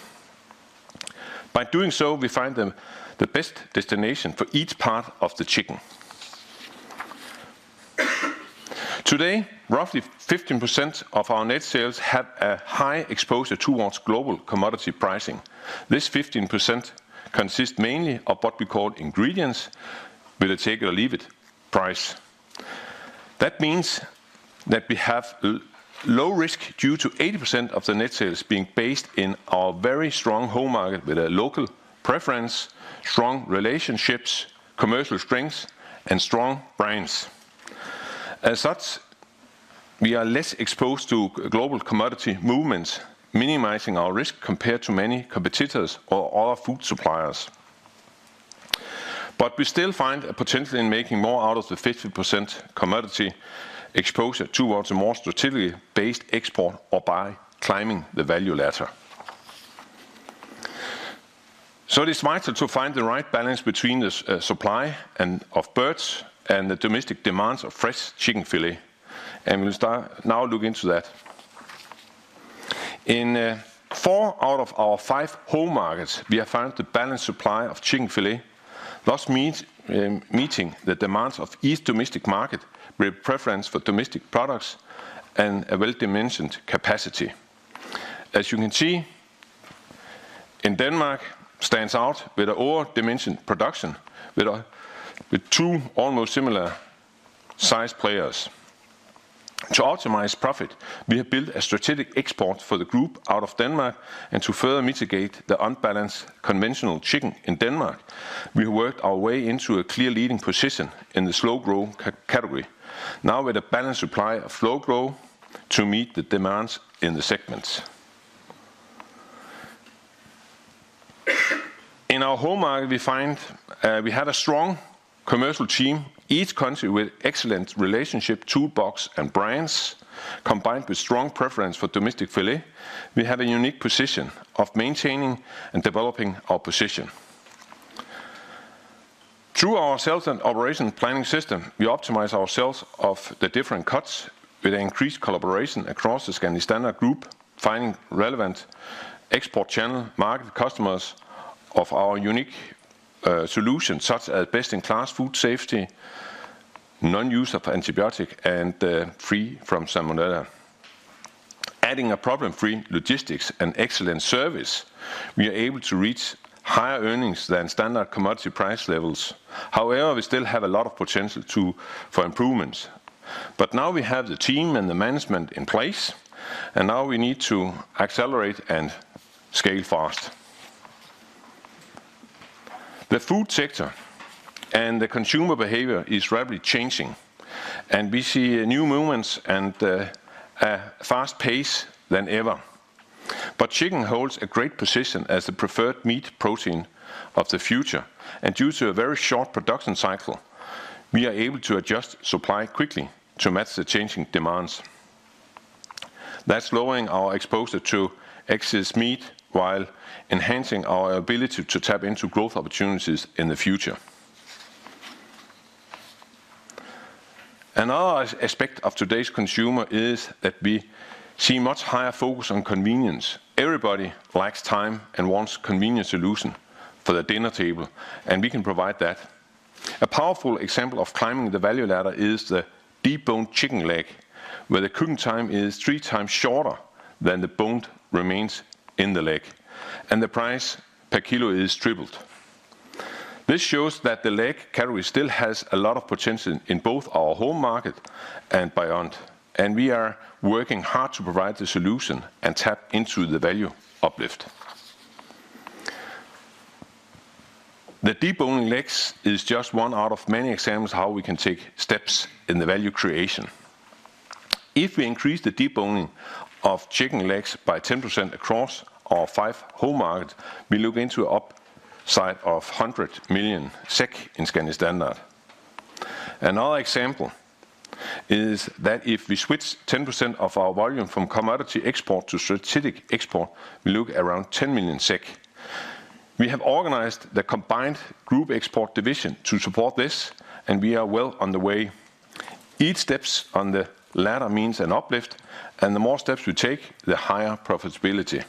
By doing so, we find them the best destination for each part of the chicken. Today, roughly 15% of our net sales have a high exposure towards global commodity pricing. This 15% consists mainly of what we call ingredients, with a take it or leave it price. That means that we have low risk due to 80% of the net sales being based in our very strong home market, with a local preference, strong relationships, commercial strengths, and strong brands. As such, we are less exposed to global commodity movements, minimizing our risk compared to many competitors or other food suppliers. But we still find a potential in making more out of the 50% commodity exposure towards a more strategically based export or by climbing the value ladder. So it is vital to find the right balance between the supply and of birds and the domestic demands of fresh chicken fillet. And we'll start now look into that. In four out of our five home markets, we have found the balanced supply of chicken fillet, thus means meeting the demands of each domestic market with preference for domestic products and a well-dimensioned capacity. As you can see, in Denmark stands out with an over-dimensioned production, with two almost similar size players. To optimize profit, we have built a strategic export for the group out of Denmark, and to further mitigate the unbalanced conventional chicken in Denmark, we worked our way into a clear leading position in the slow-growth category, now with a balanced supply of slow-growth to meet the demands in the segments. In our home market, we find, we have a strong commercial team, each country with excellent relationship to bulk and brands, combined with strong preference for domestic fillet. We have a unique position of maintaining and developing our position. Through our sales and operation planning system, we optimize our sales of the different cuts with increased collaboration across the Scandi Standard Group, finding relevant export channel market customers of our unique, solutions, such as best-in-class food safety, non-use of antibiotic, and, free from Salmonella. Adding a problem-free logistics and excellent service, we are able to reach higher earnings than standard commodity price levels. However, we still have a lot of potential for improvements. But now we have the team and the management in place, and now we need to accelerate and scale fast. The food sector and the consumer behavior is rapidly changing, and we see new movements and a fast pace than ever. But chicken holds a great position as the preferred meat protein of the future, and due to a very short production cycle, we are able to adjust supply quickly to match the changing demands. That's lowering our exposure to excess meat, while enhancing our ability to tap into growth opportunities in the future. Another aspect of today's consumer is that we see much higher focus on convenience. Everybody likes time and wants convenient solution for the dinner table, and we can provide that. A powerful example of climbing the value ladder is the deboned chicken leg, where the cooking time is 3 times shorter than the boned remains in the leg, and the price per kilo is tripled. This shows that the leg category still has a lot of potential in both our home market and beyond, and we are working hard to provide the solution and tap into the value uplift. The deboning legs is just one out of many examples how we can take steps in the value creation. If we increase the deboning of chicken legs by 10% across our 5 home market, we look into upside of 100 million SEK in Scandi Standard. Another example is that if we switch 10% of our volume from commodity export to strategic export, we look around 10 million SEK. We have organized the combined group export division to support this, and we are well on the way. Each steps on the ladder means an uplift, and the more steps we take, the higher profitability.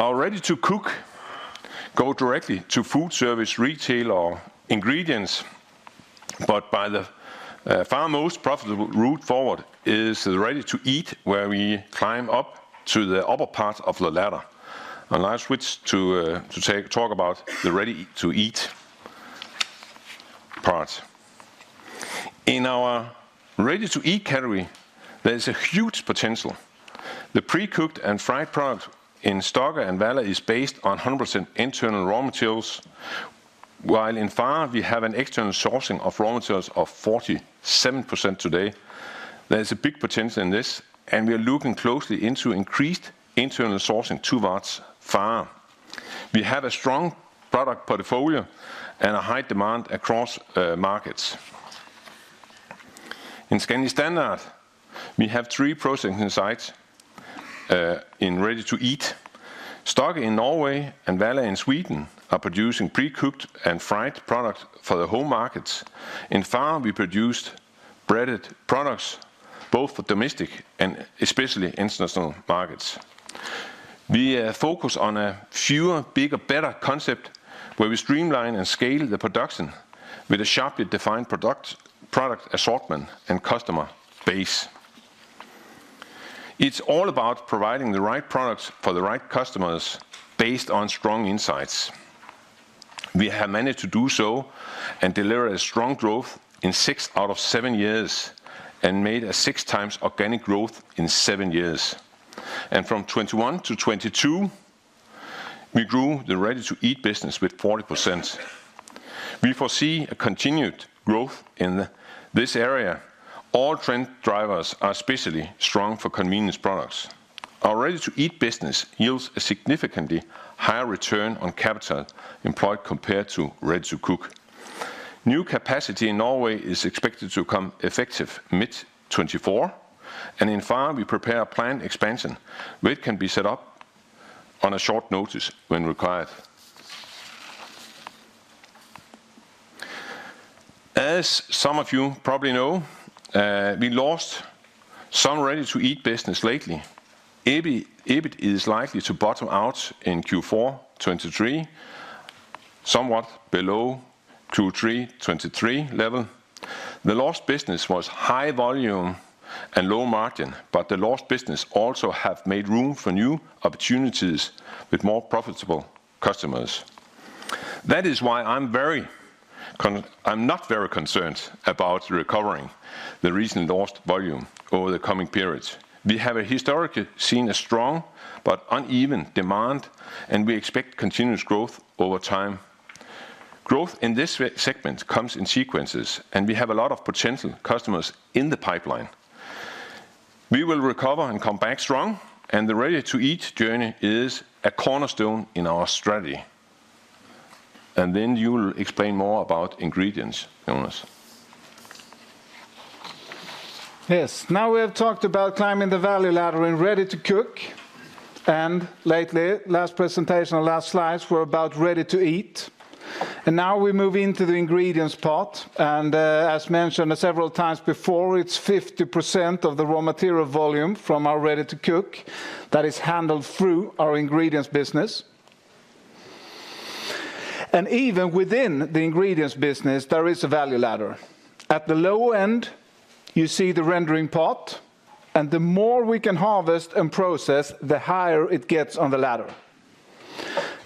Our ready-to-cook go directly to food service, retail, or ingredients, but by far the most profitable route forward is the ready-to-eat, where we climb up to the upper part of the ladder. And I switch to talk about the ready-to-eat part. In our ready-to-eat category, there is a huge potential. The pre-cooked and fried product in Stokke and Valla is based on 100% internal raw materials, while in Farre, we have an external sourcing of raw materials of 47% today. There is a big potential in this, and we are looking closely into increased internal sourcing towards Farre. We have a strong product portfolio and a high demand across markets. In Scandi Standard, we have three processing sites in ready-to-eat. Stokke in Norway and Valla in Sweden are producing pre-cooked and fried product for the home markets. In Farre, we produced breaded products, both for domestic and especially international markets. We focus on a fewer, bigger, better concept, where we streamline and scale the production with a sharply defined product, product assortment and customer base. It's all about providing the right products for the right customers based on strong insights. We have managed to do so and deliver a strong growth in six out of seven years and made a six times organic growth in seven years. From 2021 to 2022, we grew the ready-to-eat business with 40%. We foresee a continued growth in this area. All trend drivers are especially strong for convenience products. Our ready-to-eat business yields a significantly higher return on capital employed compared to ready-to-cook. New capacity in Norway is expected to come effective mid-2024, and in Farre, we prepare a planned expansion, which can be set up on a short notice when required. As some of you probably know, we lost some ready-to-eat business lately. EBIT, EBIT is likely to bottom out in Q4 2023, somewhat below Q3 2023 level. The lost business was high volume and low margin, but the lost business also have made room for new opportunities with more profitable customers. That is why I'm very con. I'm not very concerned about recovering the recent lost volume over the coming periods. We have historically seen a strong but uneven demand, and we expect continuous growth over time. Growth in this segment comes in sequences, and we have a lot of potential customers in the pipeline. We will recover and come back strong, and the ready-to-eat journey is a cornerstone in our strategy. And then you'll explain more about ingredients, Jonas. Yes. Now, we have talked about climbing the value ladder and ready-to-cook, and lately, last presentation and last slides were about ready-to-eat. Now we move into the ingredients part, and as mentioned several times before, it's 50% of the raw material volume from our ready-to-cook that is handled through our ingredients business. Even within the ingredients business, there is a value ladder. At the low end, you see the rendering part, and the more we can harvest and process, the higher it gets on the ladder.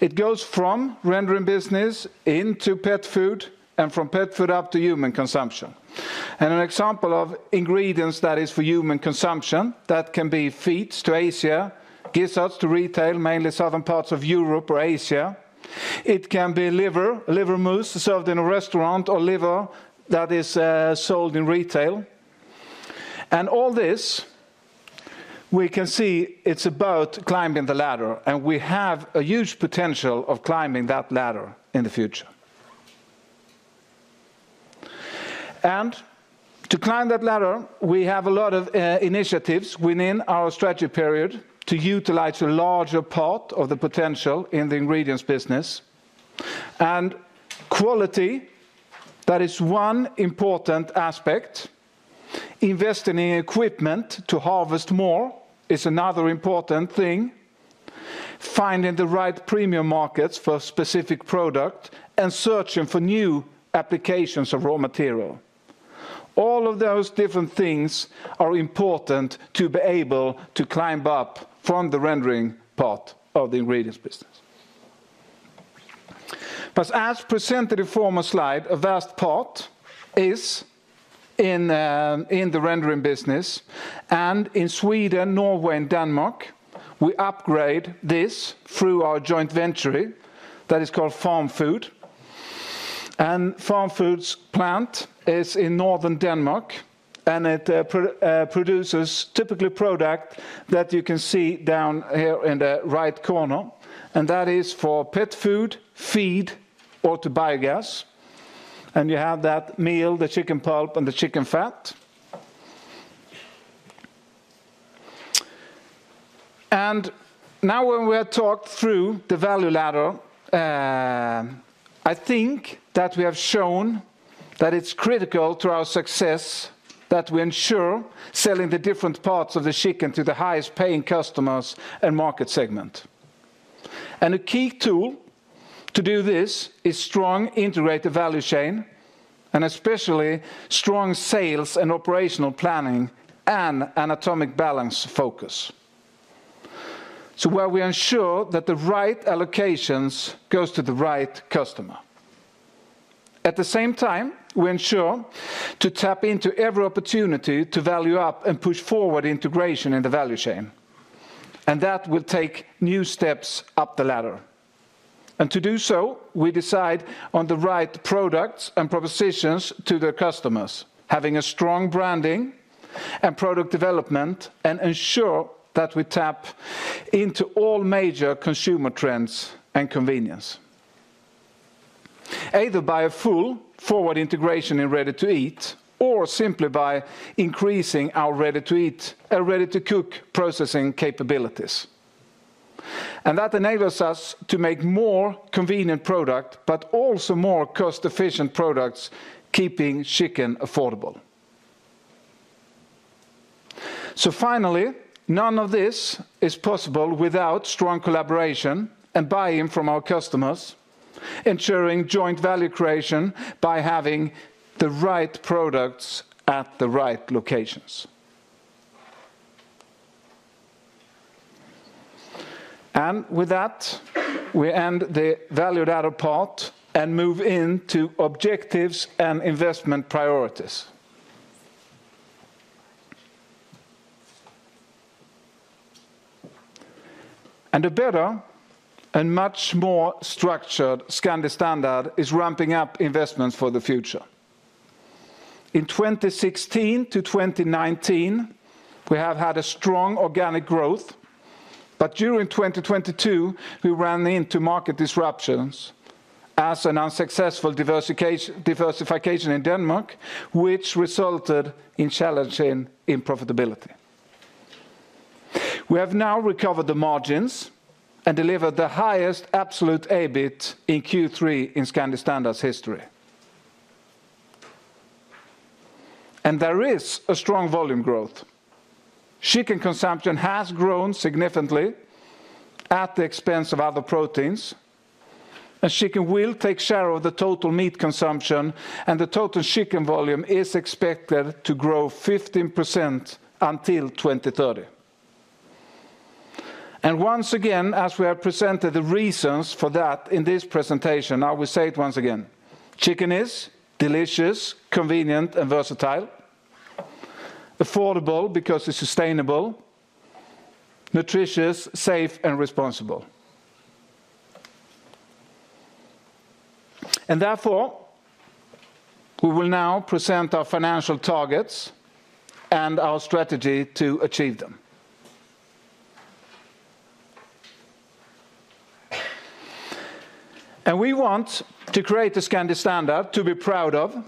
It goes from rendering business into pet food, and from pet food up to human consumption. An example of ingredients that is for human consumption, that can be feet to Asia, gizzards to retail, mainly southern parts of Europe or Asia. It can be liver, liver mousse served in a restaurant or liver that is sold in retail. All this, we can see it's about climbing the ladder, and we have a huge potential of climbing that ladder in the future. To climb that ladder, we have a lot of initiatives within our strategy period to utilize a larger part of the potential in the ingredients business. Quality, that is one important aspect. Investing in equipment to harvest more is another important thing, finding the right premium markets for a specific product, and searching for new applications of raw material. All of those different things are important to be able to climb up from the rendering part of the ingredients business. But as presented in the former slide, a vast part is in the rendering business, and in Sweden, Norway, and Denmark, we upgrade this through our joint venture that is called FarmFood. FarmFood's plant is in northern Denmark, and it produces typically product that you can see down here in the right corner, and that is for pet food, feed, or to biogas. You have that meal, the chicken pulp, and the chicken fat. Now when we have talked through the value ladder, I think that we have shown that it's critical to our success that we ensure selling the different parts of the chicken to the highest-paying customers and market segment. A key tool to do this is strong integrated value chain, and especially strong sales and operational planning, and an anatomic balance focus. So where we ensure that the right allocations goes to the right customer. At the same time, we ensure to tap into every opportunity to value up and push forward integration in the value chain, and that will take new steps up the ladder. And to do so, we decide on the right products and propositions to the customers, having a strong branding and product development, and ensure that we tap into all major consumer trends and convenience, either by a full forward integration in ready-to-eat or simply by increasing our ready-to-eat, ready-to-cook processing capabilities. And that enables us to make more convenient product, but also more cost-efficient products, keeping chicken affordable. So finally, none of this is possible without strong collaboration and buy-in from our customers, ensuring joint value creation by having the right products at the right locations. And with that, we end the value ladder part and move into objectives and investment priorities. A better and much more structured Scandi Standard is ramping up investments for the future. In 2016-2019, we have had a strong organic growth, but during 2022, we ran into market disruptions as an unsuccessful diversification in Denmark, which resulted in challenging in profitability. We have now recovered the margins and delivered the highest absolute EBIT in Q3 in Scandi Standard's history. There is a strong volume growth. Chicken consumption has grown significantly at the expense of other proteins, and chicken will take share of the total meat consumption, and the total chicken volume is expected to grow 15% until 2030. Once again, as we have presented the reasons for that in this presentation, I will say it once again. Chicken is delicious, convenient, and versatile, affordable because it's sustainable, nutritious, safe, and responsible. Therefore, we will now present our financial targets and our strategy to achieve them. We want to create a Scandi Standard to be proud of,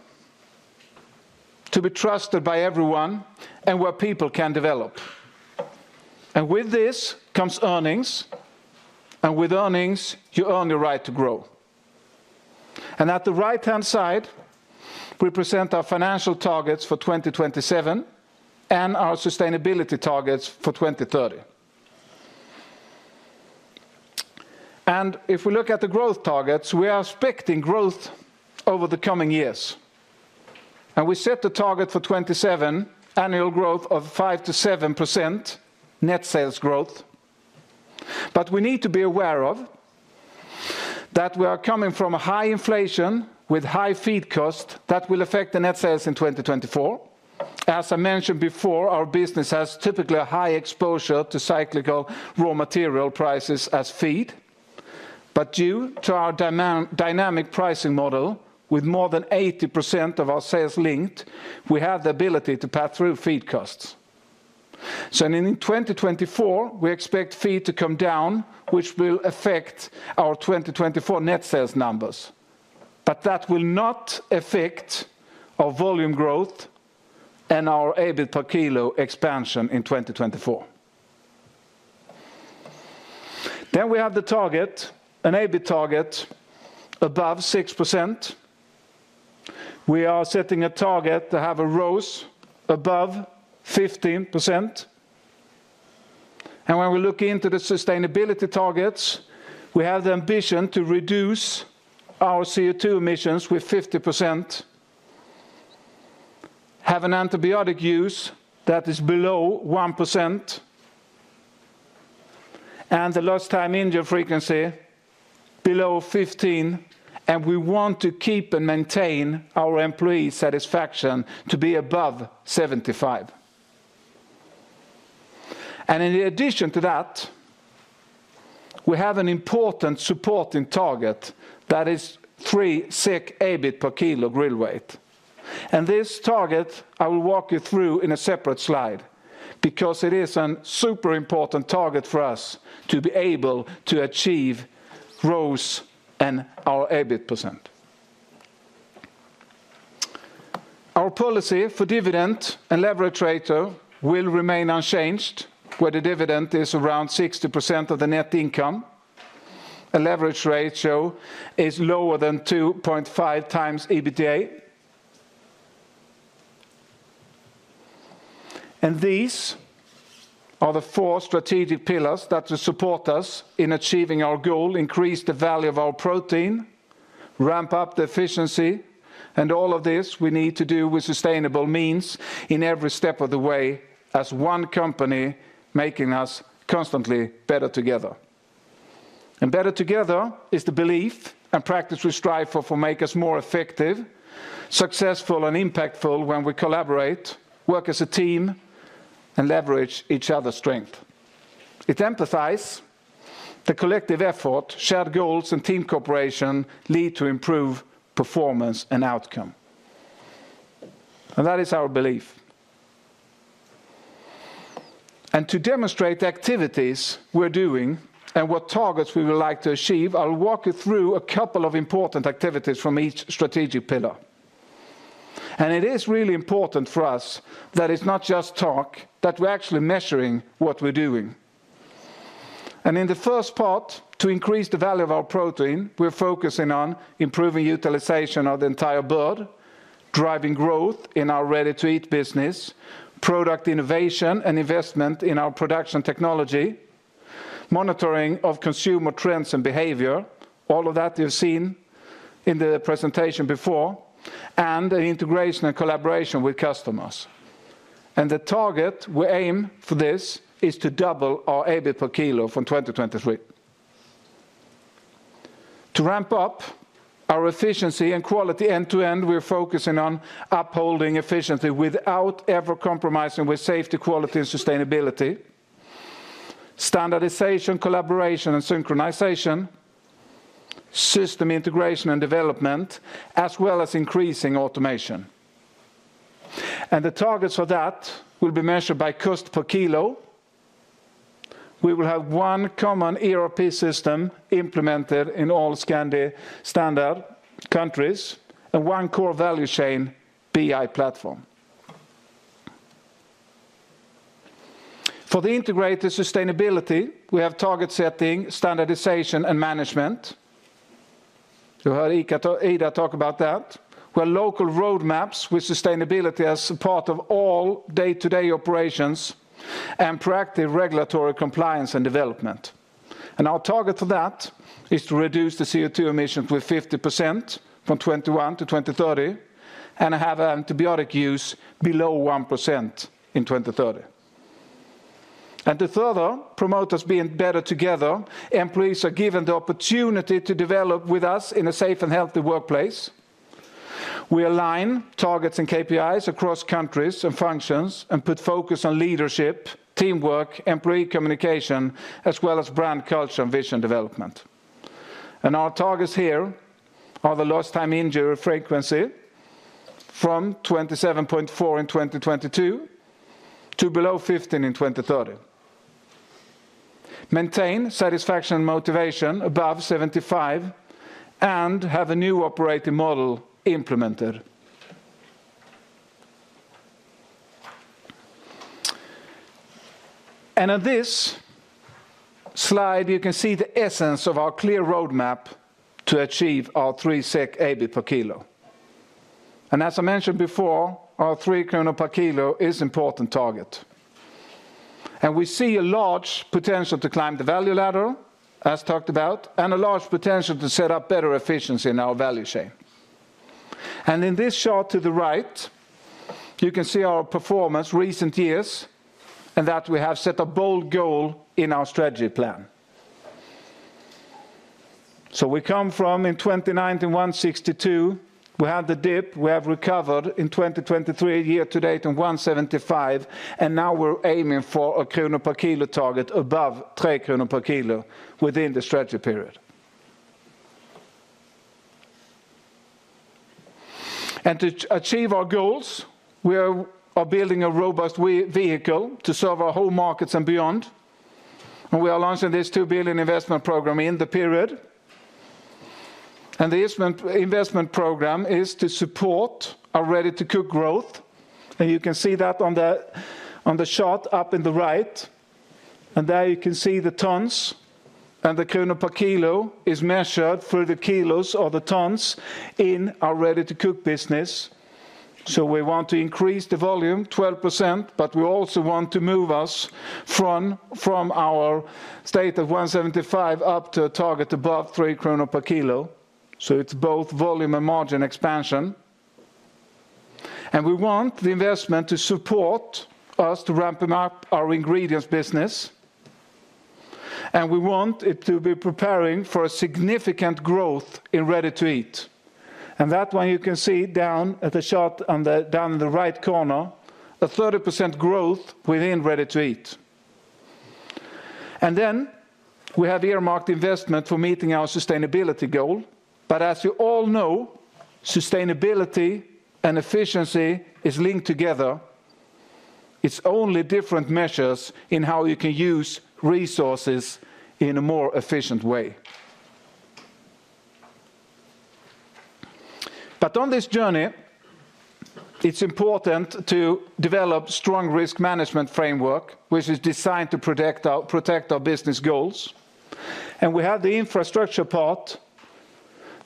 to be trusted by everyone, and where people can develop. With this comes earnings, and with earnings, you earn the right to grow. At the right-hand side, we present our financial targets for 2027 and our sustainability targets for 2030. If we look at the growth targets, we are expecting growth over the coming years. We set the target for 2027 annual growth of 5%-7% net sales growth. But we need to be aware of that we are coming from a high inflation with high feed cost that will affect the net sales in 2024. As I mentioned before, our business has typically a high exposure to cyclical raw material prices as feed. But due to our dynamic pricing model, with more than 80% of our sales linked, we have the ability to pass through feed costs. So in 2024, we expect feed to come down, which will affect our 2024 net sales numbers. But that will not affect our volume growth and our EBIT per kilo expansion in 2024. Then we have the target, an EBIT target above 6%. We are setting a target to have a ROCE above 15%. When we look into the sustainability targets, we have the ambition to reduce our CO₂ emissions with 50%, have an antibiotic use that is below 1%, and the lost time injury frequency below 15, and we want to keep and maintain our employee satisfaction to be above 75. In addition to that, we have an important supporting target that is SEK three EBIT per kilo grill weight. And this target, I will walk you through in a separate slide because it is a super important target for us to be able to achieve ROCE and our EBIT %. Our policy for dividend and leverage ratio will remain unchanged, where the dividend is around 60% of the net income. A leverage ratio is lower than 2.5x EBITDA. These are the four strategic pillars that will support us in achieving our goal, increase the value of our protein, ramp up the efficiency, and all of this we need to do with sustainable means in every step of the way as one company, making us constantly better together. Better together is the belief and practice we strive for, for make us more effective, successful, and impactful when we collaborate, work as a team, and leverage each other's strength. It emphasizes the collective effort, shared goals, and team cooperation lead to improved performance and outcome. That is our belief. To demonstrate the activities we're doing and what targets we would like to achieve, I'll walk you through a couple of important activities from each strategic pillar. It is really important for us that it's not just talk, that we're actually measuring what we're doing. In the first part, to increase the value of our protein, we're focusing on improving utilization of the entire bird, driving growth in our ready-to-eat business, product innovation and investment in our production technology, monitoring of consumer trends and behavior, all of that you've seen in the presentation before, and the integration and collaboration with customers. The target we aim for this is to double our EBIT per kilo from 2023. To ramp up our efficiency and quality end-to-end, we are focusing on upholding efficiency without ever compromising with safety, quality, and sustainability, standardization, collaboration, and synchronization, system integration and development, as well as increasing automation. The targets for that will be measured by cost per kilo. We will have one common ERP system implemented in all Scandi Standard countries, and one core value chain BI platform. For the integrated sustainability, we have target setting, standardization, and management. You heard Ida talk about that, where local roadmaps with sustainability as a part of all day-to-day operations and proactive regulatory compliance and development. And our target for that is to reduce the CO2 emissions with 50% from 2021 to 2030, and have antibiotic use below 1% in 2030. And to further promote us being better together, employees are given the opportunity to develop with us in a safe and healthy workplace. We align targets and KPIs across countries and functions, and put focus on leadership, teamwork, employee communication, as well as brand culture and vision development. And our targets here are the lost time injury frequency from 27.4 in 2022 to below 15 in 2030. Maintain satisfaction and motivation above 75, and have a new operating model implemented. On this slide, you can see the essence of our clear roadmap to achieve our SEK three EBIT per kilo. As I mentioned before, our three krona per kilo is important target. We see a large potential to climb the value ladder, as talked about, and a large potential to set up better efficiency in our value chain. In this chart to the right, you can see our performance recent years, and that we have set a bold goal in our strategy plan. We come from, in 2019, 1.62, we had the dip, we have recovered in 2023, year to date in 1.75, and now we're aiming for a krona per kilo target above 3 krona per kilo within the strategy period. To achieve our goals, we are building a robust vehicle to serve our home markets and beyond, and we are launching this 2 billion investment program in the period. The investment program is to support our ready-to-cook growth, and you can see that on the chart up in the right. There you can see the tons, and the krona per kilo is measured through the kilos or the tons in our ready-to-cook business. So we want to increase the volume 12%, but we also want to move us from our state of 1.75 up to a target above three krona per kilo. So it's both volume and margin expansion. We want the investment to support us to ramping up our ingredients business, and we want it to be preparing for a significant growth in ready-to-eat. That one you can see down at the chart on the down in the right corner, a 30% growth within ready-to-eat. Then we have earmarked investment for meeting our sustainability goal. But as you all know, sustainability and efficiency is linked together. It's only different measures in how you can use resources in a more efficient way. But on this journey, it's important to develop strong risk management framework, which is designed to protect our business goals. We have the infrastructure part,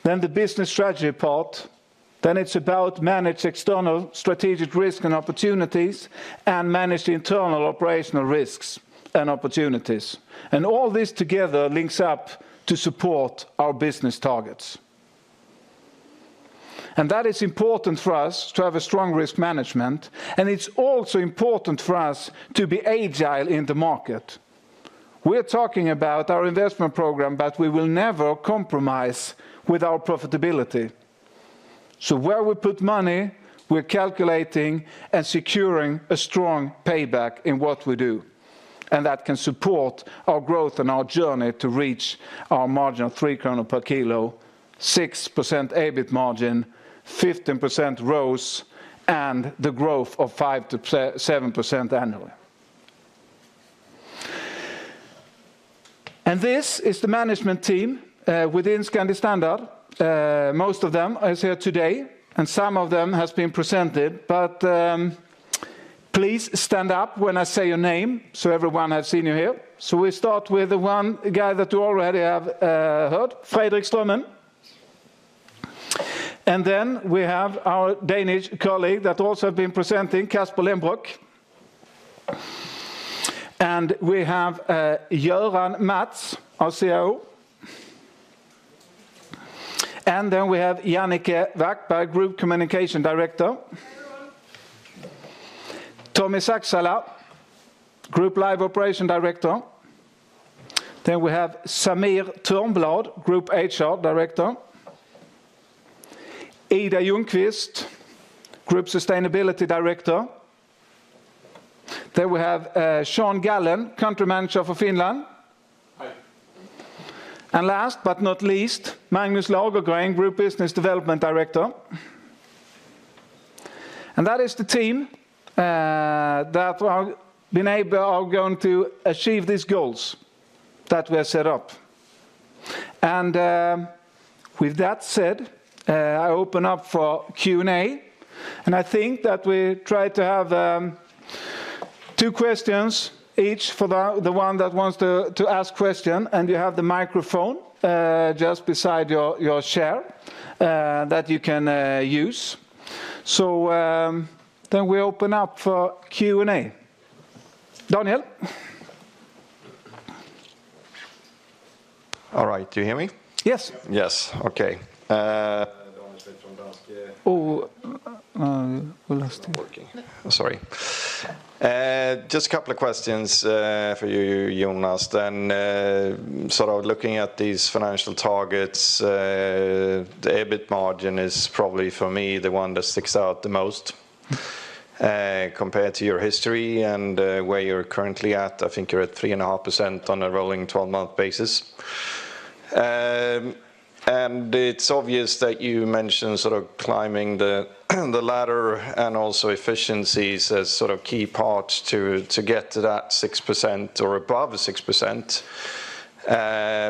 then the business strategy part, then it's about manage external strategic risk and opportunities, and manage the internal operational risks and opportunities. All this together links up to support our business targets. That is important for us to have a strong risk management, and it's also important for us to be agile in the market. We're talking about our investment program, but we will never compromise with our profitability. So where we put money, we're calculating and securing a strong payback in what we do, and that can support our growth and our journey to reach our margin of 3 kronor per kilo, 6% EBIT margin, 15% ROCE, and the growth of 5%-7% annually. This is the management team within Scandi Standard. Most of them is here today, and some of them has been presented, but please stand up when I say your name, so everyone has seen you here. We start with the one guy that you already have heard, Fredrik Strømmen. And then we have our Danish colleague that also have been presenting, Kasper Lenbroch. And we have Göran Matz, our CIO. And then we have Jannike Wackberg, Group Communication Director. Tommi Saksala, Group Live Operations Director. Then we have Samir Törnblad, Group HR Director. Ida Ljungkvist, Group Sustainability Director. Then we have Jean Gallen, Country Manager for Finland. Hi. And last but not least, Magnus Lagergren, Group Business Development Director. And that is the team, that will have been able or going to achieve these goals that we have set up. And, with that said, I open up for Q&A, and I think that we try to have, two questions each for the, the one that wants to, to ask question, and you have the microphone, just beside your, your chair, that you can, use. So, then we open up for Q&A. Daniel? All right, do you hear me? Yes. Yes. Okay. Oh, um, It's not working. Sorry. Just a couple of questions for you, Jonas. Then, sort of looking at these financial targets, the EBIT margin is probably, for me, the one that sticks out the most, compared to your history and, where you're currently at. I think you're at 3.5% on a rolling twelve-month basis. And it's obvious that you mentioned sort of climbing the, the ladder and also efficiencies as sort of key parts to, to get to that 6% or above the 6%.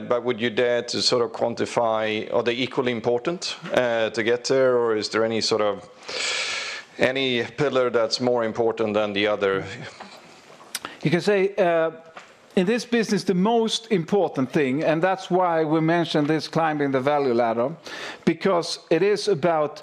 But would you dare to sort of quantify. Are they equally important to get there, or is there any sort of, any pillar that's more important than the other? You can say, in this business, the most important thing, and that's why we mentioned this climbing the value ladder, because it is about,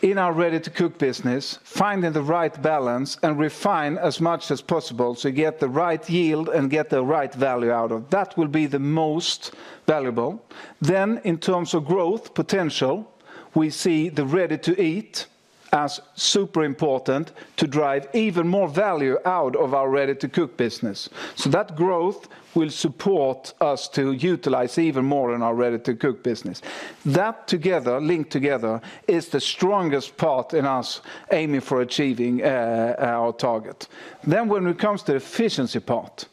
in our Ready-to-Cook business, finding the right balance and refine as much as possible to get the right yield and get the right value out of. That will be the most valuable. Then, in terms of growth potential, we see the Ready-to-Eat as super important to drive even more value out of our Ready-to-Cook business. So that growth will support us to utilize even more in our Ready-to-Cook business. That together, linked together, is the strongest part in us aiming for achieving, our target. Then when it comes to efficiency part,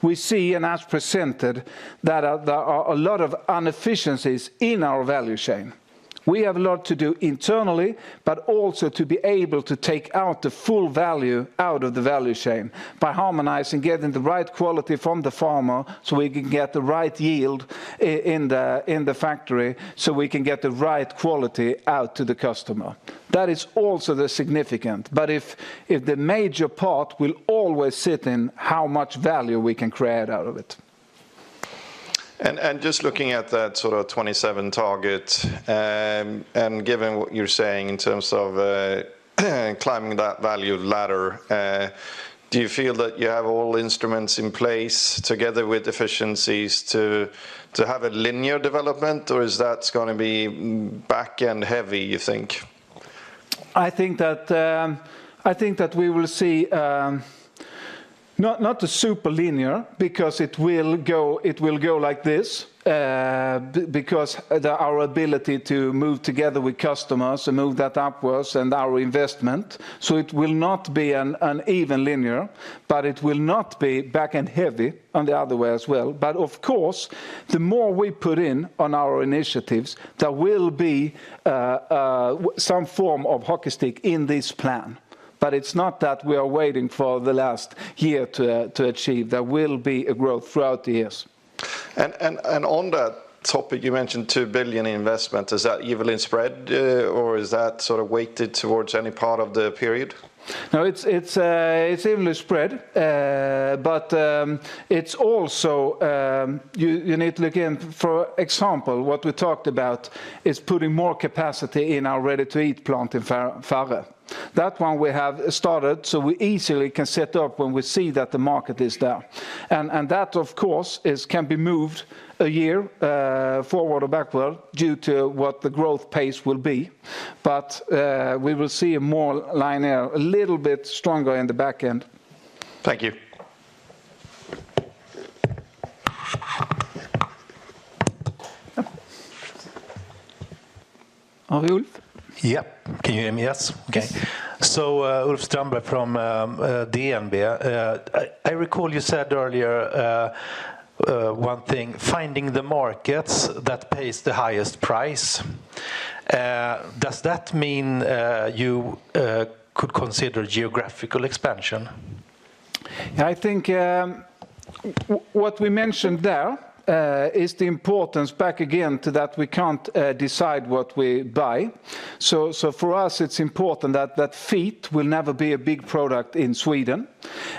we see, and as presented, that, there are a lot of inefficiencies in our value chain. We have a lot to do internally, but also to be able to take out the full value out of the value chain by harmonizing, getting the right quality from the farmer, so we can get the right yield in the factory, so we can get the right quality out to the customer. That is also significant, but if the major part will always sit in how much value we can create out of it. Just looking at that sort of 27 target, and given what you're saying in terms of climbing that value ladder, do you feel that you have all instruments in place together with efficiencies to have a linear development, or is that going to be backend heavy, you think? I think that I think that we will see not a super linear, because it will go it will go like this because our ability to move together with customers and move that upwards and our investment, so it will not be an uneven linear, but it will not be back end heavy on the other way as well. But of course, the more we put in on our initiatives, there will be some form of hockey stick in this plan, but it's not that we are waiting for the last year to achieve. There will be a growth throughout the years. And on that topic, you mentioned 2 billion investment. Is that evenly spread, or is that sort of weighted towards any part of the period? No, it's evenly spread, but it's also you need to look in, for example, what we talked about is putting more capacity in our ready-to-eat plant in Farre. That one we have started, so we easily can set up when we see that the market is there. And that, of course, can be moved a year forward or backward due to what the growth pace will be. But we will see a more linear, a little bit stronger in the back end. Thank you. Uh, Ulf? Yeah. Can you hear me? Yes. Okay. So, Ulf Strandberg from DNB. I recall you said earlier, one thing, finding the markets that pays the highest price. Does that mean, you could consider geographical expansion? I think, what we mentioned there, is the importance, back again, to that we can't decide what we buy. So, so for us, it's important that that feet will never be a big product in Sweden.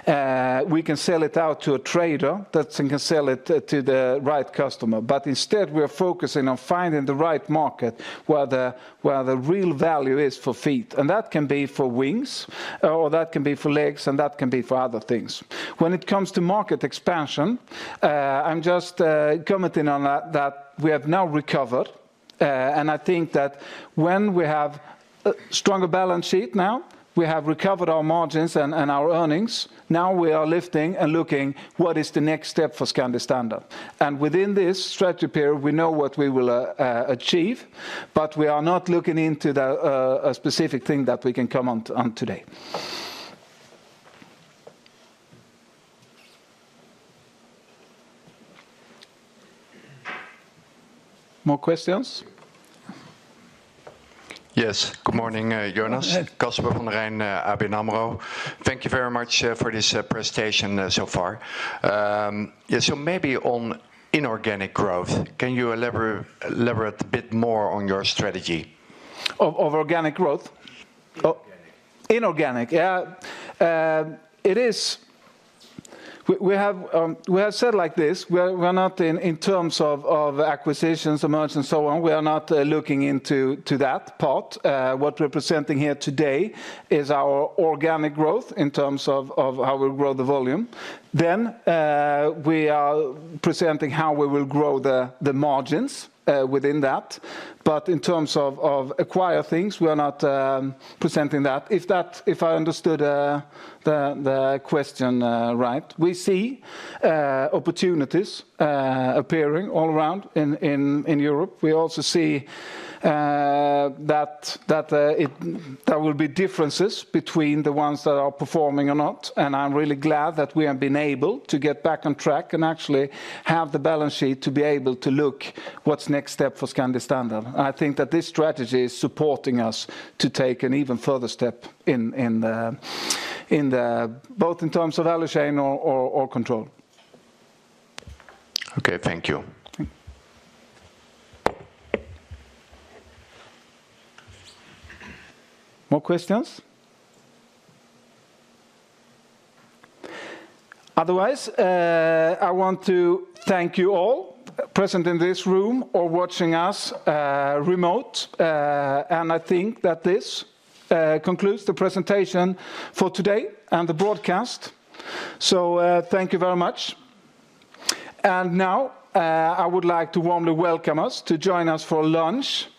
We can sell it out to a trader, that's, and can sell it to the right customer, but instead, we are focusing on finding the right market, where the, where the real value is for feet, and that can be for wings, or that can be for legs, and that can be for other things. When it comes to market expansion, I'm just, commenting on that, that we have now recovered. And I think that when we have a stronger balance sheet now, we have recovered our margins and, and our earnings. Now we are lifting and looking what is the next step for Scandi Standard. Within this strategy period, we know what we will achieve, but we are not looking into a specific thing that we can comment on today. More questions? Yes. Good morning, Jonas. Go ahead. Casper van Rijn, ABN AMRO. Thank you very much for this presentation so far. Yeah, so maybe on inorganic growth, can you elaborate, elaborate a bit more on your strategy? Of organic growth? Inorganic. Inorganic. Yeah. It is we have said it like this. We're not, in terms of acquisitions, emergence, and so on, we are not looking into to that part. What we're presenting here today is our organic growth in terms of how we grow the volume. Then, we are presenting how we will grow the margins within that. But in terms of acquire things, we are not presenting that. If that. If I understood the question right, we see opportunities appearing all around in Europe. We also see that there will be differences between the ones that are performing or not. I'm really glad that we have been able to get back on track and actually have the balance sheet to be able to look what's next step for Scandi Standard. I think that this strategy is supporting us to take an even further step in the. Both in terms of value chain or control. Okay, thank you. More questions? Otherwise, I want to thank you all present in this room or watching us remote. And I think that this concludes the presentation for today and the broadcast. So, thank you very much. And now, I would like to warmly welcome us to join us for lunch.